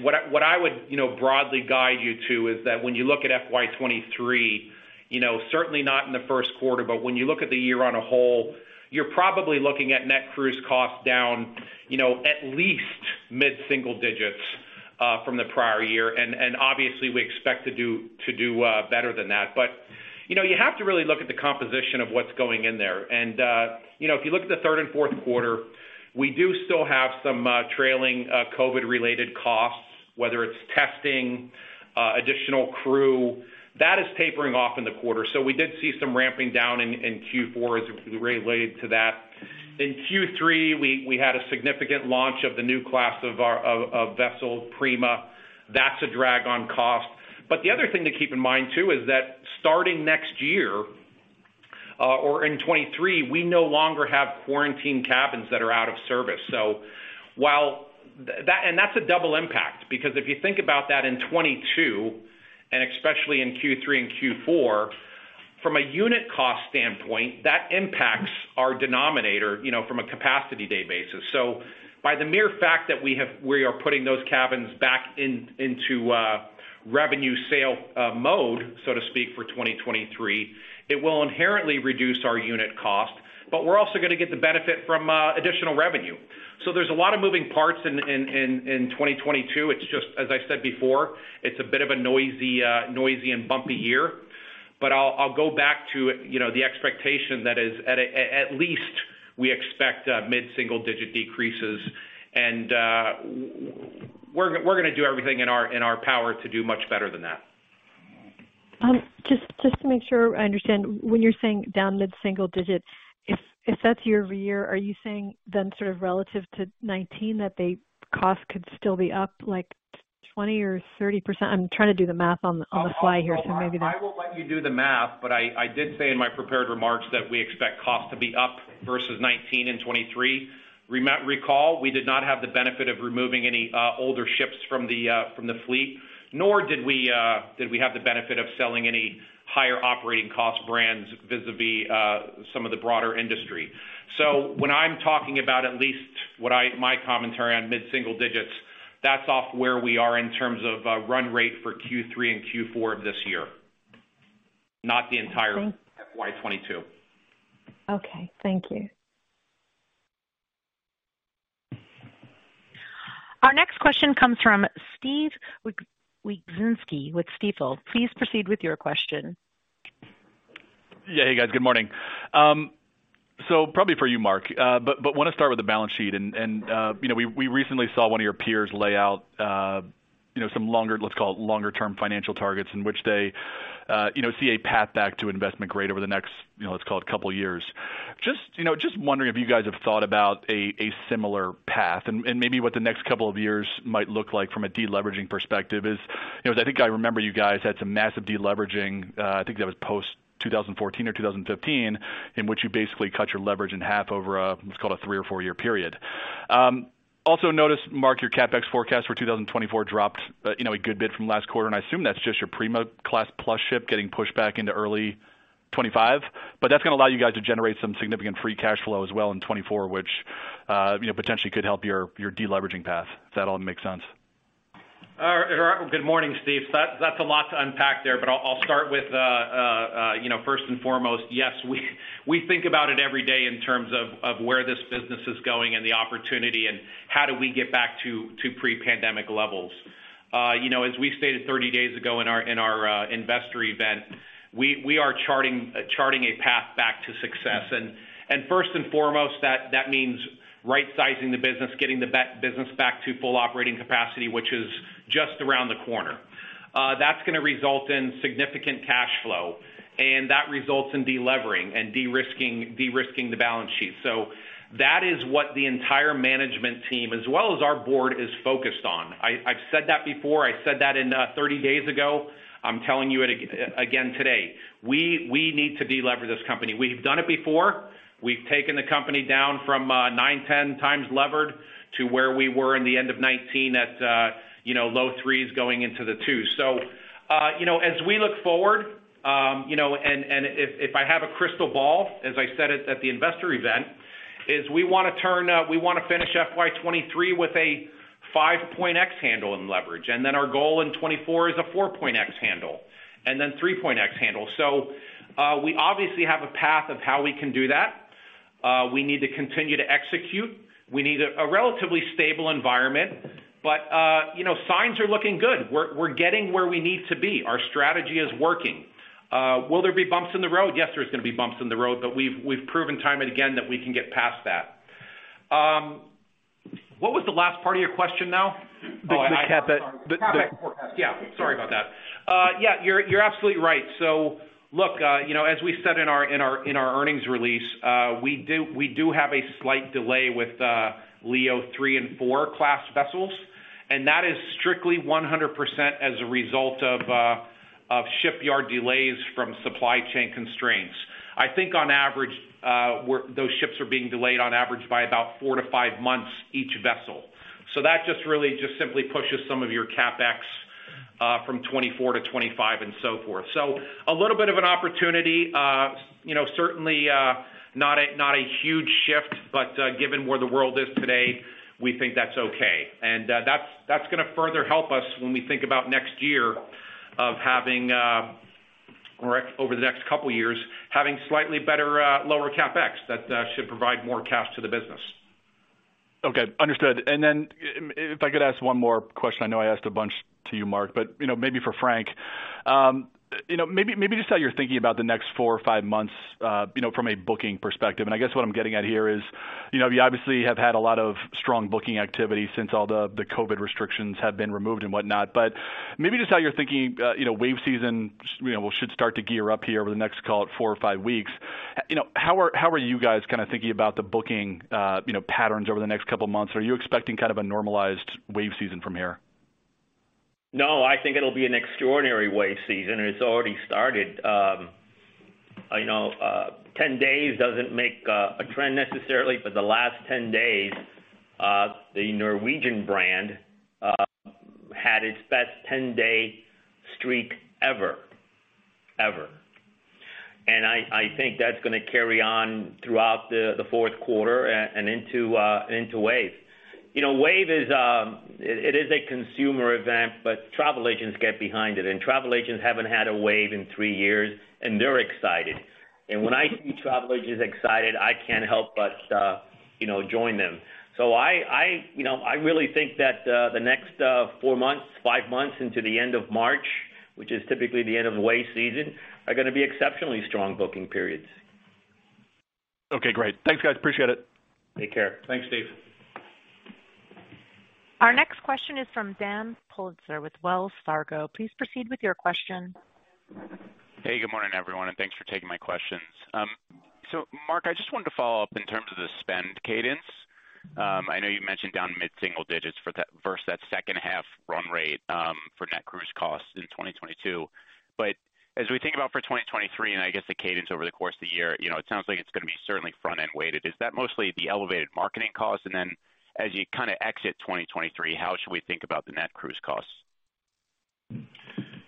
What I would, you know, broadly guide you to is that when you look at FY 2023, you know, certainly not in the first quarter, but when you look at the year as a whole, you're probably looking at Net Cruise Costs down, you know, at least mid-single digits from the prior year. Obviously we expect to do better than that. You know, you have to really look at the composition of what's going in there. You know, if you look at the third and fourth quarter, we do still have some trailing COVID-related costs, whether it's testing, additional crew. That is tapering off in the quarter. We did see some ramping down in Q4 as it related to that. In Q3, we had a significant launch of the new class of our vessel Prima. That's a drag on cost. The other thing to keep in mind too is that starting next year, or in 2023, we no longer have quarantine cabins that are out of service. While that. That's a double impact, because if you think about that in 2022, and especially in Q3 and Q4, from a unit cost standpoint, that impacts our denominator, you know, from a capacity day basis. By the mere fact that we are putting those cabins back in, into revenue sale mode, so to speak, for 2023, it will inherently reduce our unit cost. We're also gonna get the benefit from additional revenue. There's a lot of moving parts in 2022. It's just as I said before, it's a bit of a noisy and bumpy year. I'll go back to, you know, the expectation that at least we expect mid-single-digit decreases. We're gonna do everything in our power to do much better than that. Just to make sure I understand. When you're saying down mid-single digits, if that's year-over-year, are you saying then sort of relative to nineteen that the cost could still be up like 20 or 30%? I'm trying to do the math on the fly here, so maybe that's I will let you do the math, but I did say in my prepared remarks that we expect costs to be up versus 2019 and 2023. Recall, we did not have the benefit of removing any older ships from the fleet, nor did we have the benefit of selling any higher operating cost brands vis-a-vis some of the broader industry. When I'm talking about my commentary on mid-single digits, that's off where we are in terms of run rate for Q3 and Q4 of this year, not the entire FY 2022. Okay. Thank you. Our next question comes from Steve Wieczynski with Stifel. Please proceed with your question. Hey, guys. Good morning. So probably for you, Mark. But wanna start with the balance sheet and you know we recently saw one of your peers lay out you know some longer, let's call it longer term financial targets in which they you know see a path back to investment grade over the next you know let's call it couple years. Just wondering if you guys have thought about a similar path and maybe what the next couple of years might look like from a deleveraging perspective. I think I remember you guys had some massive deleveraging. I think that was post 2014 or 2015, in which you basically cut your leverage in half over let's call it a 3- or 4-year period. Also noticed, Mark, your CapEx forecast for 2024 dropped, you know, a good bit from last quarter, and I assume that's just your Prima Plus Class ship getting pushed back into early 2025. That's gonna allow you guys to generate some significant free cash flow as well in 2024, which, you know, potentially could help your deleveraging path. If that all makes sense. Good morning, Steve. That's a lot to unpack there, but I'll start with you know, first and foremost, yes, we think about it every day in terms of where this business is going and the opportunity and how do we get back to pre-pandemic levels. You know, as we stated 30 days ago in our investor event, we are charting a path back to success. First and foremost, that means right-sizing the business, getting the business back to full operating capacity, which is just around the corner. That's gonna result in significant cash flow, and that results in delevering and de-risking the balance sheet. That is what the entire management team as well as our board is focused on. I've said that before. I said that in 30 days ago. I'm telling you it again today. We need to delever this company. We've done it before. We've taken the company down from 9x, 10x levered to where we were in the end of 2019 at you know, low 3s going into the 2x. You know, as we look forward, and if I have a crystal ball, as I said it at the investor event, is we wanna turn, we wanna finish FY 2023 with a 5x handle in leverage. Our goal in 2024 is a 4x handle, and then 3x handle. We obviously have a path of how we can do that. We need to continue to execute. We need a relatively stable environment. You know, signs are looking good. We're getting where we need to be. Our strategy is working. Will there be bumps in the road? Yes, there's gonna be bumps in the road, but we've proven time and again that we can get past that. What was the last part of your question now? The CapEx. Oh, I'm sorry. The, the- CapEx forecast. Yeah, sorry about that. Yeah, you're absolutely right. Look, you know, as we said in our earnings release, we have a slight delay with Leonardo 3 and 4 class vessels, and that is strictly 100% as a result of shipyard delays from supply chain constraints. I think on average, those ships are being delayed on average by about 4-5 months each vessel. That just really just simply pushes some of your CapEx from 2024 to 2025 and so forth. A little bit of an opportunity. You know, certainly not a huge shift, but given where the world is today, we think that's okay. That's gonna further help us when we think about next year of having or over the next couple of years, having slightly better lower CapEx that should provide more cash to the business. Okay, understood. If I could ask one more question, I know I asked a bunch to you, Mark, but, you know, maybe for Frank. You know, maybe just how you're thinking about the next 4 or 5 months, you know, from a booking perspective, and I guess what I'm getting at here is, you know, we obviously have had a lot of strong booking activity since all the COVID restrictions have been removed and whatnot. Maybe just how you're thinking, you know, wave season, you know, should start to gear up here over the next, call it 4 or 5 weeks. You know, how are you guys kind of thinking about the booking, you know, patterns over the next couple of months? Are you expecting kind of a normalized wave season from here? No, I think it'll be an extraordinary wave season, and it's already started. You know, 10 days doesn't make a trend necessarily, but the last 10 days, the Norwegian brand had its best 10-day streak ever. I think that's gonna carry on throughout the fourth quarter and into wave. You know, wave is, it is a consumer event, but travel agents get behind it, and travel agents haven't had a wave in 3 years, and they're excited. When I see travel agents excited, I can't help but, you know, join them. You know, I really think that the next 4 months, 5 months into the end of March, which is typically the end of wave season, are gonna be exceptionally strong booking periods. Okay, great. Thanks, guys. Appreciate it. Take care. Thanks, Steve. Our next question is from Daniel Politzer with Wells Fargo. Please proceed with your question. Hey, good morning, everyone, and thanks for taking my questions. Mark, I just wanted to follow up in terms of the spend cadence. I know you mentioned down mid-single digits for that versus that second half run rate for net cruise costs in 2022. As we think about for 2023, and I guess the cadence over the course of the year, you know, it sounds like it's gonna be certainly front-end weighted. Is that mostly the elevated marketing costs? And then as you kind of exit 2023, how should we think about the net cruise costs?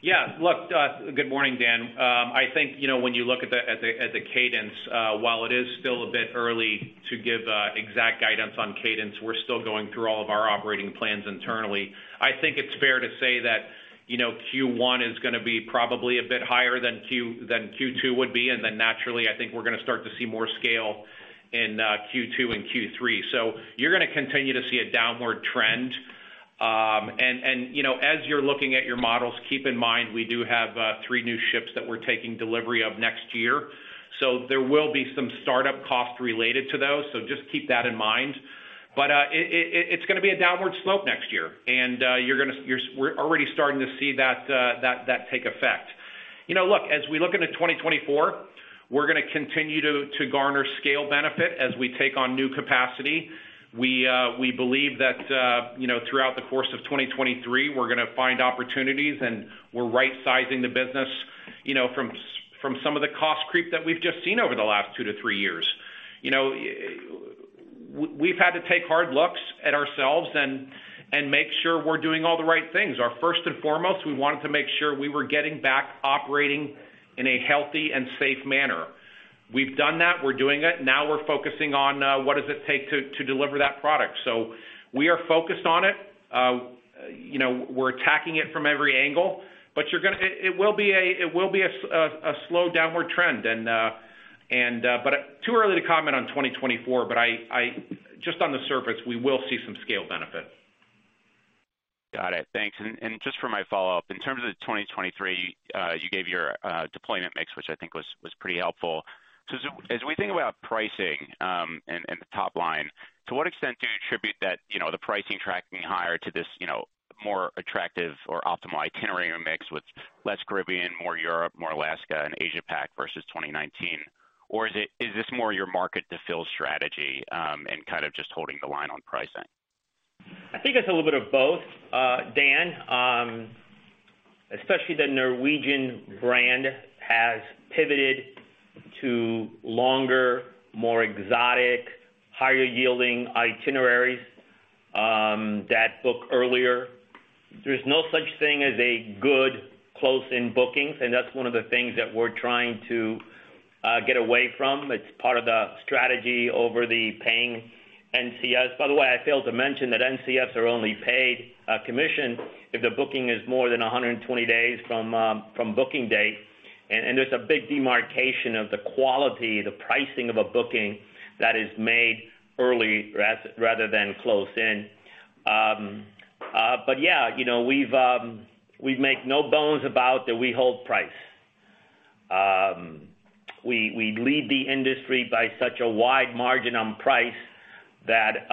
Yeah. Look, good morning, Dan. I think, you know, when you look at the cadence, while it is still a bit early to give exact guidance on cadence, we're still going through all of our operating plans internally. I think it's fair to say that, you know, Q1 is gonna be probably a bit higher than Q2 would be. Naturally, I think we're gonna start to see more scale in Q2 and Q3. You're gonna continue to see a downward trend. And, you know, as you're looking at your models, keep in mind we do have 3 new ships that we're taking delivery of next year. There will be some startup costs related to those. Just keep that in mind. It's gonna be a downward slope next year, and we're already starting to see that take effect. You know, look, as we look into 2024, we're gonna continue to garner scale benefit as we take on new capacity. We believe that, you know, throughout the course of 2023, we're gonna find opportunities, and we're rightsizing the business, you know, from some of the cost creep that we've just seen over the last 2-3 years. You know, we've had to take hard looks at ourselves and make sure we're doing all the right things. First and foremost, we wanted to make sure we were getting back operating in a healthy and safe manner. We've done that. We're doing it. Now we're focusing on what does it take to deliver that product. We are focused on it. You know, we're attacking it from every angle, but it will be a slow downward trend. Too early to comment on 2024, but just on the surface, we will see some scale benefit. Got it. Thanks. Just for my follow-up, in terms of 2023, you gave your deployment mix, which I think was pretty helpful. As we think about pricing and the top line, to what extent do you attribute that, you know, the pricing tracking higher to this, you know, more attractive or optimal itinerary mix with less Caribbean, more Europe, more Alaska and Asia PAC versus 2019? Or is this more your market to fill strategy and kind of just holding the line on pricing? I think it's a little bit of both. Dan, especially the Norwegian brand has pivoted to longer, more exotic, higher-yielding itineraries that book earlier. There's no such thing as a good close in bookings, and that's one of the things that we're trying to get away from. It's part of the strategy over the paying NCFs. By the way, I failed to mention that NCFs are only paid commission if the booking is more than 120 days from booking date. There's a big demarcation of the quality, the pricing of a booking that is made early rather than close in. Yeah, you know, we make no bones about that we hold price. We lead the industry by such a wide margin on price that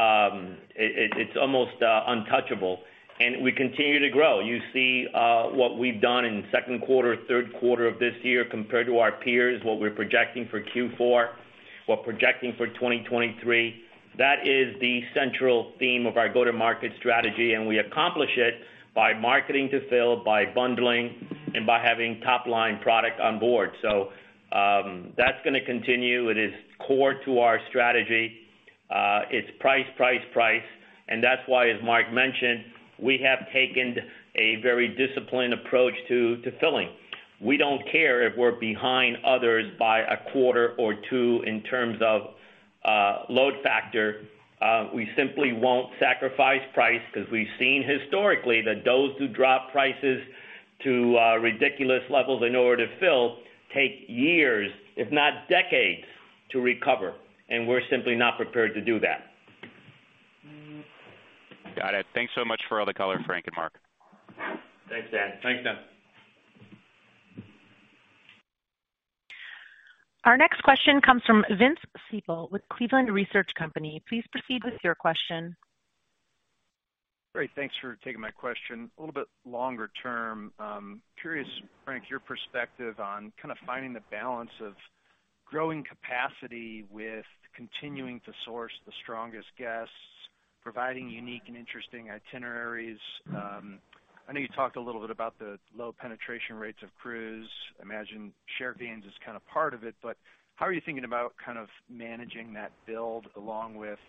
it's almost untouchable, and we continue to grow. You see what we've done in second quarter, third quarter of this year compared to our peers, what we're projecting for Q4, we're projecting for 2023. That is the central theme of our go-to-market strategy, and we accomplish it by marketing to fill, by bundling, and by having top-line product on board. That's gonna continue. It is core to our strategy. It's price. That's why, as Mark mentioned, we have taken a very disciplined approach to filling. We don't care if we're behind others by a quarter or two in terms of load factor. We simply won't sacrifice price because we've seen historically that those who drop prices to ridiculous levels in order to fill take years, if not decades, to recover, and we're simply not prepared to do that. Got it. Thanks so much for all the color, Frank and Mark. Thanks, Dan. Thanks, Dan. Our next question comes from Vince Ciepiel with Cleveland Research Company. Please proceed with your question. Great. Thanks for taking my question. A little bit longer term. Curious, Frank, your perspective on kind of finding the balance of growing capacity with continuing to source the strongest guests, providing unique and interesting itineraries. I know you talked a little bit about the low penetration rates of cruise. I imagine shared gains is kind of part of it, but how are you thinking about kind of managing that build along with,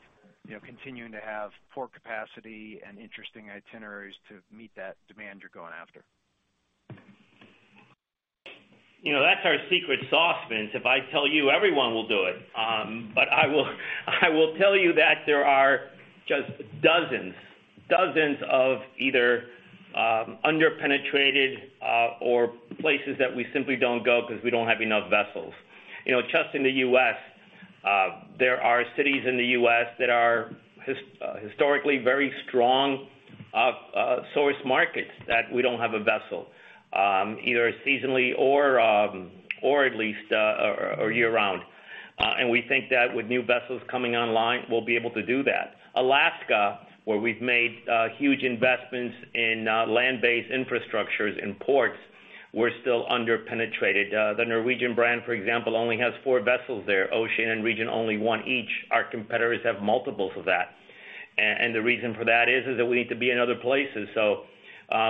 you know, continuing to have port capacity and interesting itineraries to meet that demand you're going after? You know, that's our secret sauce, Vince. If I tell you, everyone will do it. I will tell you that there are just dozens of either under-penetrated or places that we simply don't go because we don't have enough vessels. You know, just in the U.S., there are cities in the U.S. that are historically very strong source markets that we don't have a vessel either seasonally or year-round. We think that with new vessels coming online, we'll be able to do that. Alaska, where we've made huge investments in land-based infrastructures in ports, we're still under-penetrated. The Norwegian brand, for example, only has four vessels there. Oceania and Regent only one each. Our competitors have multiples of that. The reason for that is that we need to be in other places.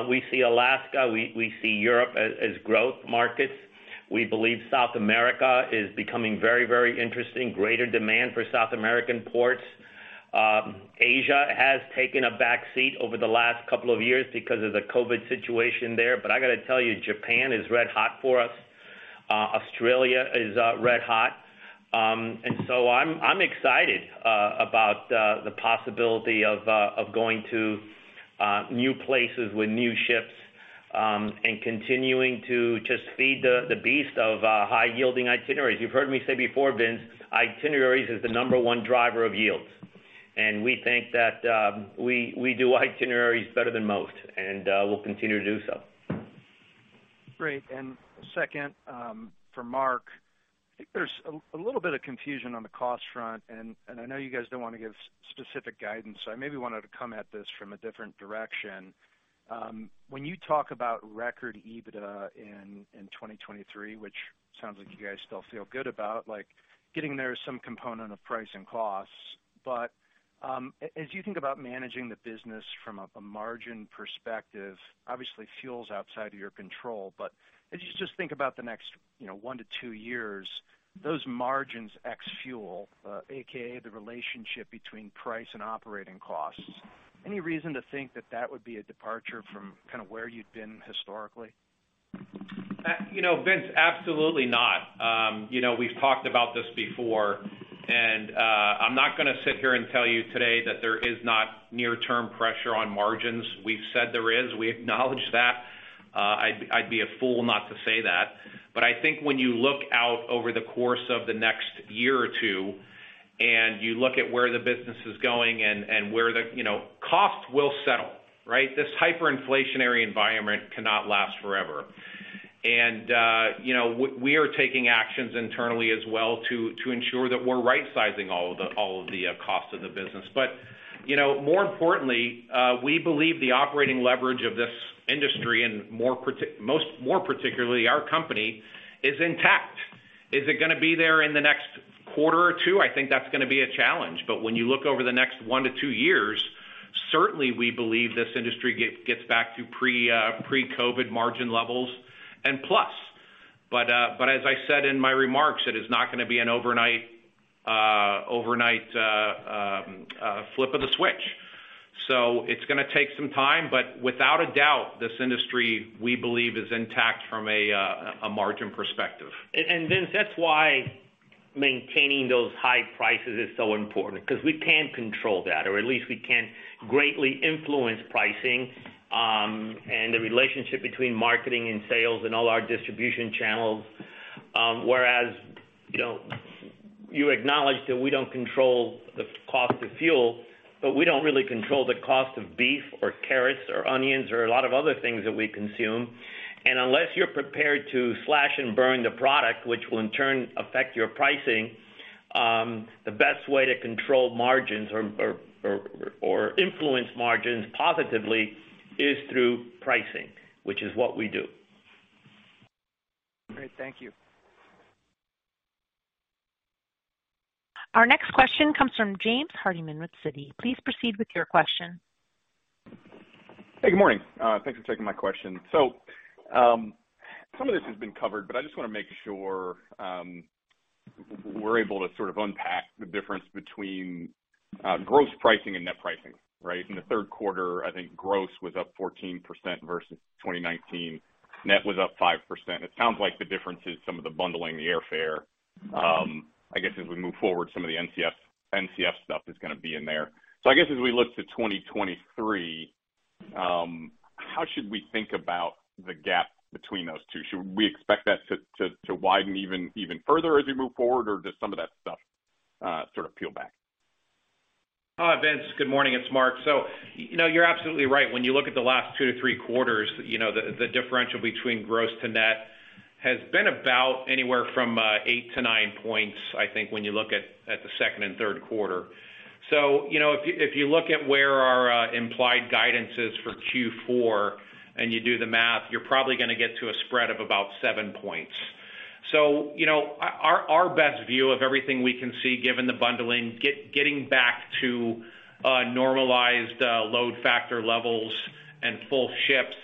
We see Alaska, we see Europe as growth markets. We believe South America is becoming very interesting. Greater demand for South American ports. Asia has taken a back seat over the last couple of years because of the COVID situation there. I got to tell you, Japan is red hot for us. Australia is red hot. I'm excited about the possibility of going to new places with new ships, and continuing to just feed the beast of high-yielding itineraries. You've heard me say before, Vince, itineraries is the number one driver of yields. We think that we do itineraries better than most, and we'll continue to do so. Great. Second, for Mark, I think there's a little bit of confusion on the cost front, and I know you guys don't want to give specific guidance, so I maybe wanted to come at this from a different direction. When you talk about record EBITDA in 2023, which sounds like you guys still feel good about, like getting there is some component of price and costs. As you think about managing the business from a margin perspective, obviously fuel's outside of your control. As you just think about the next, you know, 1-2 years, those margins, ex-fuel, AKA the relationship between price and operating costs, any reason to think that would be a departure from kind of where you've been historically? You know, Vince, absolutely not. You know, we've talked about this before, and I'm not gonna sit here and tell you today that there is not near-term pressure on margins. We've said there is. We acknowledge that. I'd be a fool not to say that. I think when you look out over the course of the next year or two, and you look at where the business is going and where the costs will settle, right? This hyperinflationary environment cannot last forever. You know, we are taking actions internally as well to ensure that we're rightsizing all of the costs of the business. You know, more importantly, we believe the operating leverage of this industry and more particularly our company is intact. Is it gonna be there in the next quarter or 2? I think that's gonna be a challenge. When you look over the next 1-2 years, certainly we believe this industry gets back to pre-COVID margin levels and plus. As I said in my remarks, it is not gonna be an overnight flip of the switch. It's gonna take some time, but without a doubt, this industry, we believe, is intact from a margin perspective. Vince, that's why maintaining those high prices is so important, because we can control that, or at least we can greatly influence pricing, and the relationship between marketing and sales and all our distribution channels. Whereas, you know, you acknowledge that we don't control the cost of fuel, but we don't really control the cost of beef or carrots or onions or a lot of other things that we consume. Unless you're prepared to slash and burn the product, which will in turn affect your pricing, the best way to control margins or influence margins positively is through pricing, which is what we do. Great. Thank you. Our next question comes from James Hardiman with Citi. Please proceed with your question. Hey, good morning. Thanks for taking my question. Some of this has been covered, but I just wanna make sure we're able to sort of unpack the difference between gross pricing and net pricing, right? In the third quarter, I think gross was up 14% versus 2019. Net was up 5%. It sounds like the difference is some of the bundling the airfare. I guess as we move forward, some of the NCF stuff is gonna be in there. I guess as we look to 2023, how should we think about the gap between those two? Should we expect that to widen even further as we move forward, or does some of that stuff sort of peel back? Hi, Vince. Good morning, it's Mark. You know, you're absolutely right. When you look at the last 2-3 quarters, you know, the differential between gross to net has been about anywhere from 8-9 points, I think, when you look at the second and third quarter. You know, if you look at where our implied guidance is for Q4 and you do the math, you're probably gonna get to a spread of about 7 points. You know, our best view of everything we can see given the bundling, getting back to normalized load factor levels and full ships,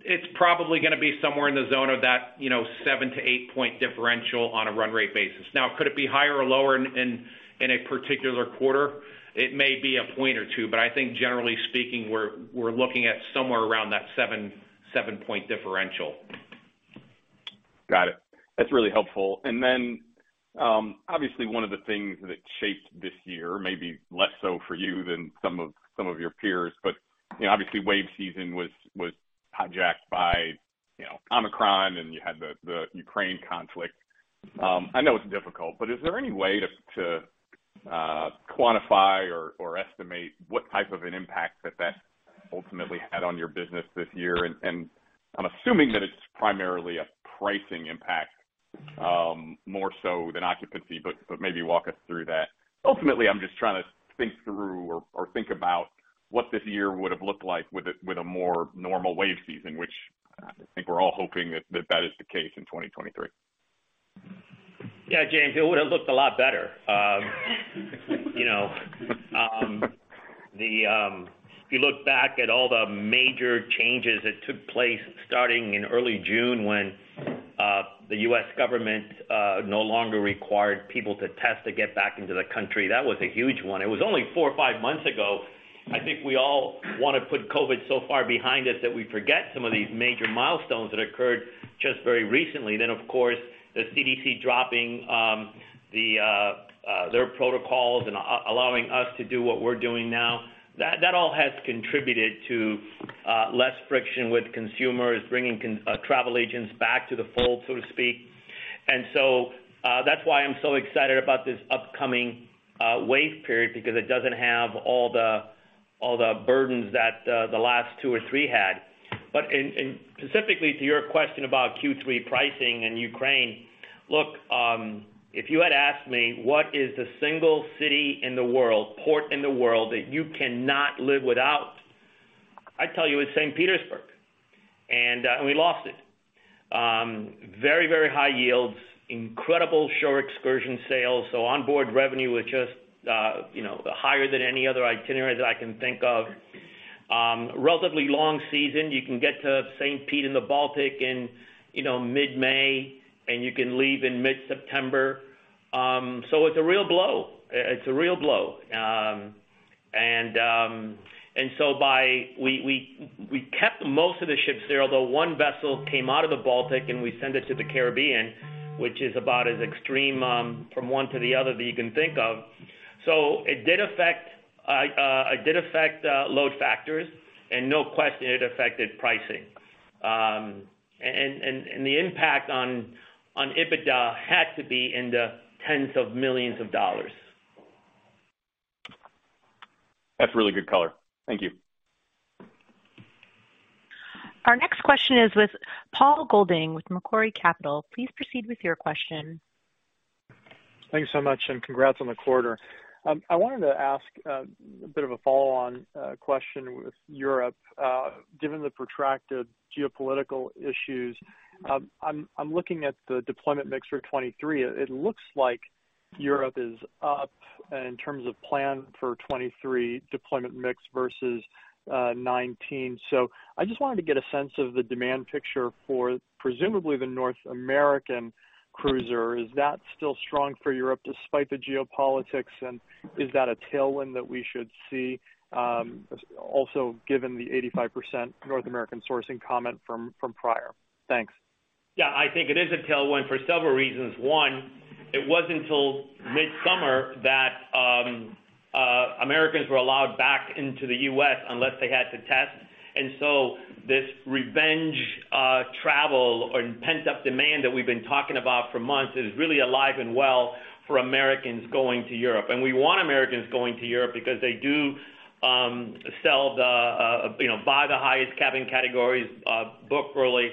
it's probably gonna be somewhere in the zone of that 7-8 point differential on a run rate basis. Now, could it be higher or lower in a particular quarter? It may be a point or two, but I think generally speaking, we're looking at somewhere around that 7-point differential. Got it. That's really helpful. Obviously one of the things that shaped this year, maybe less so for you than some of your peers, but you know, obviously wave season was hijacked by you know, Omicron and you had the Ukraine conflict. I know it's difficult, but is there any way to quantify or estimate what type of an impact that ultimately had on your business this year? I'm assuming that it's primarily a pricing impact, more so than occupancy, but maybe walk us through that. Ultimately, I'm just trying to think through or think about what this year would've looked like with a more normal wave season, which I think we're all hoping that is the case in 2023. Yeah, James, it would've looked a lot better. You know, if you look back at all the major changes that took place starting in early June when the U.S. government no longer required people to test to get back into the country, that was a huge one. It was only four or five months ago. I think we all wanna put COVID so far behind us that we forget some of these major milestones that occurred just very recently. Of course, the CDC dropping their protocols and allowing us to do what we're doing now. That all has contributed to less friction with consumers, bringing travel agents back to the fold, so to speak. That's why I'm so excited about this upcoming wave period because it doesn't have all the burdens that the last two or three had. Specifically to your question about Q3 pricing and Ukraine, look, if you had asked me what is the single city in the world, port in the world that you cannot live without, I'd tell you it's St. Petersburg. We lost it. Very high yields, incredible shore excursion sales. Onboard revenue was just, you know, higher than any other itinerary that I can think of. Relatively long season. You can get to St. Pete in the Baltic in, you know, mid-May, and you can leave in mid-September. It's a real blow. It's a real blow. We kept most of the ships there, although one vessel came out of the Baltic and we sent it to the Caribbean, which is about as extreme from one to the other that you can think of. It did affect load factors, and no question it affected pricing. The impact on EBITDA had to be in the $10s of millions. That's really good color. Thank you. Our next question is with Paul Golding with Macquarie Capital. Please proceed with your question. Thanks so much, and congrats on the quarter. I wanted to ask a bit of a follow-on question with Europe. Given the protracted geopolitical issues, I'm looking at the deployment mix for 2023. It looks like Europe is up in terms of plan for 2023 deployment mix versus 2019. I just wanted to get a sense of the demand picture for presumably the North American cruiser. Is that still strong for Europe despite the geopolitics, and is that a tailwind that we should see also given the 85% North American sourcing comment from prior? Thanks. Yeah. I think it is a tailwind for several reasons. One, it wasn't until midsummer that Americans were allowed back into the U.S. unless they had to test. This revenge travel or pent-up demand that we've been talking about for months is really alive and well for Americans going to Europe. We want Americans going to Europe because they do, you know, buy the highest cabin categories, book early,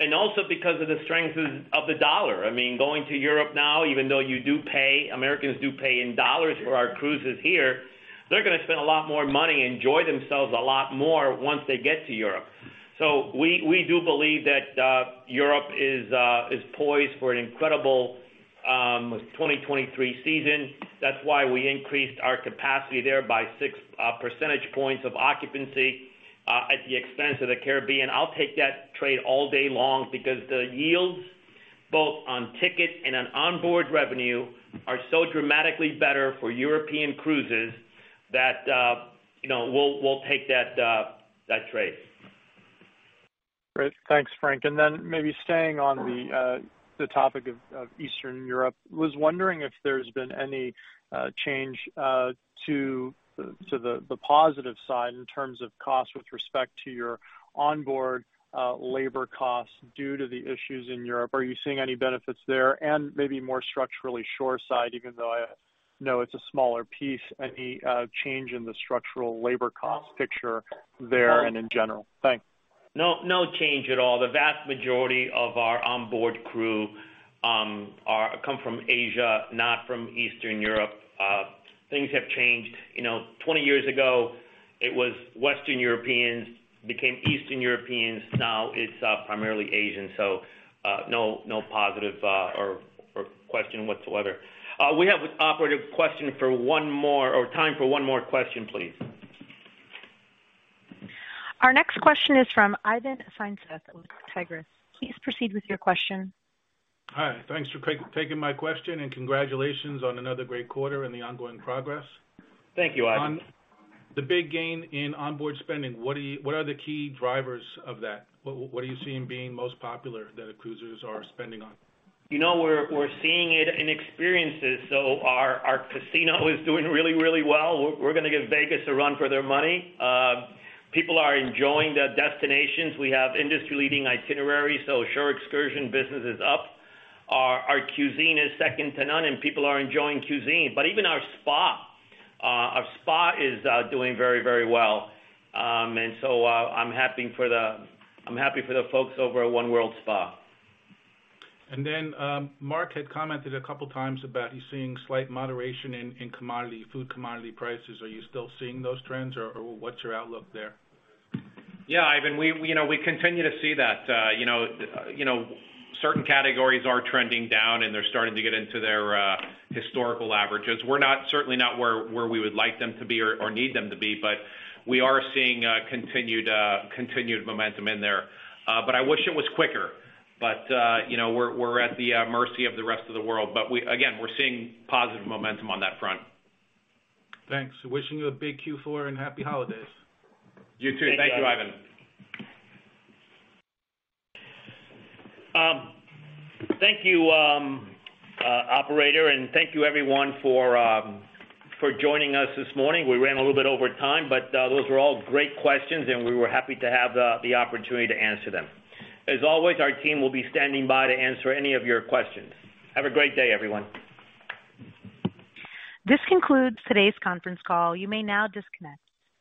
and also because of the strength of the dollar. I mean, going to Europe now, even though you do pay, Americans do pay in dollars for our cruises here, they're gonna spend a lot more money, enjoy themselves a lot more once they get to Europe. We do believe that Europe is poised for an incredible 2023 season. That's why we increased our capacity there by 6 percentage points of occupancy at the expense of the Caribbean. I'll take that trade all day long because the yields both on ticket and onboard revenue are so dramatically better for European cruises that you know we'll take that trade. Great. Thanks, Frank. Maybe staying on the topic of Eastern Europe. Was wondering if there's been any change to the positive side in terms of cost with respect to your onboard labor costs due to the issues in Europe. Are you seeing any benefits there? Maybe more structurally shore side, even though I know it's a smaller piece, any change in the structural labor cost picture there and in general? Thanks. No, no change at all. The vast majority of our onboard crew come from Asia, not from Eastern Europe. Things have changed. You know, 20 years ago, it was Western Europeans became Eastern Europeans, now it's primarily Asian, so no problem or question whatsoever. We have time for one more question, please. Our next question is from Ivan Feinseth with Tigress. Please proceed with your question. Hi. Thanks for taking my question, and congratulations on another great quarter and the ongoing progress. Thank you, Ivan. On the big gain in onboard spending, what are the key drivers of that? What are you seeing being most popular that cruisers are spending on? You know, we're seeing it in experiences. Our casino is doing really, really well. We're gonna give Vegas a run for their money. People are enjoying the destinations. We have industry-leading itineraries, so shore excursion business is up. Our cuisine is second to none, and people are enjoying cuisine. Even our spa is doing very, very well. I'm happy for the folks over at One World Spa. Mark had commented a couple times about he's seeing slight moderation in commodity, food commodity prices. Are you still seeing those trends or what's your outlook there? Yeah. I mean, we, you know, we continue to see that, you know, certain categories are trending down, and they're starting to get into their historical averages. We're certainly not where we would like them to be or need them to be, but we are seeing continued momentum in there. I wish it was quicker. You know, we're at the mercy of the rest of the world. We, again, we're seeing positive momentum on that front. Thanks. Wishing you a big Q4 and happy holidays. You too. Thank you, Ivan. Thank you, operator, and thank you everyone for joining us this morning. We ran a little bit over time, but those were all great questions, and we were happy to have the opportunity to answer them. As always, our team will be standing by to answer any of your questions. Have a great day, everyone. This concludes today's conference call. You may now disconnect.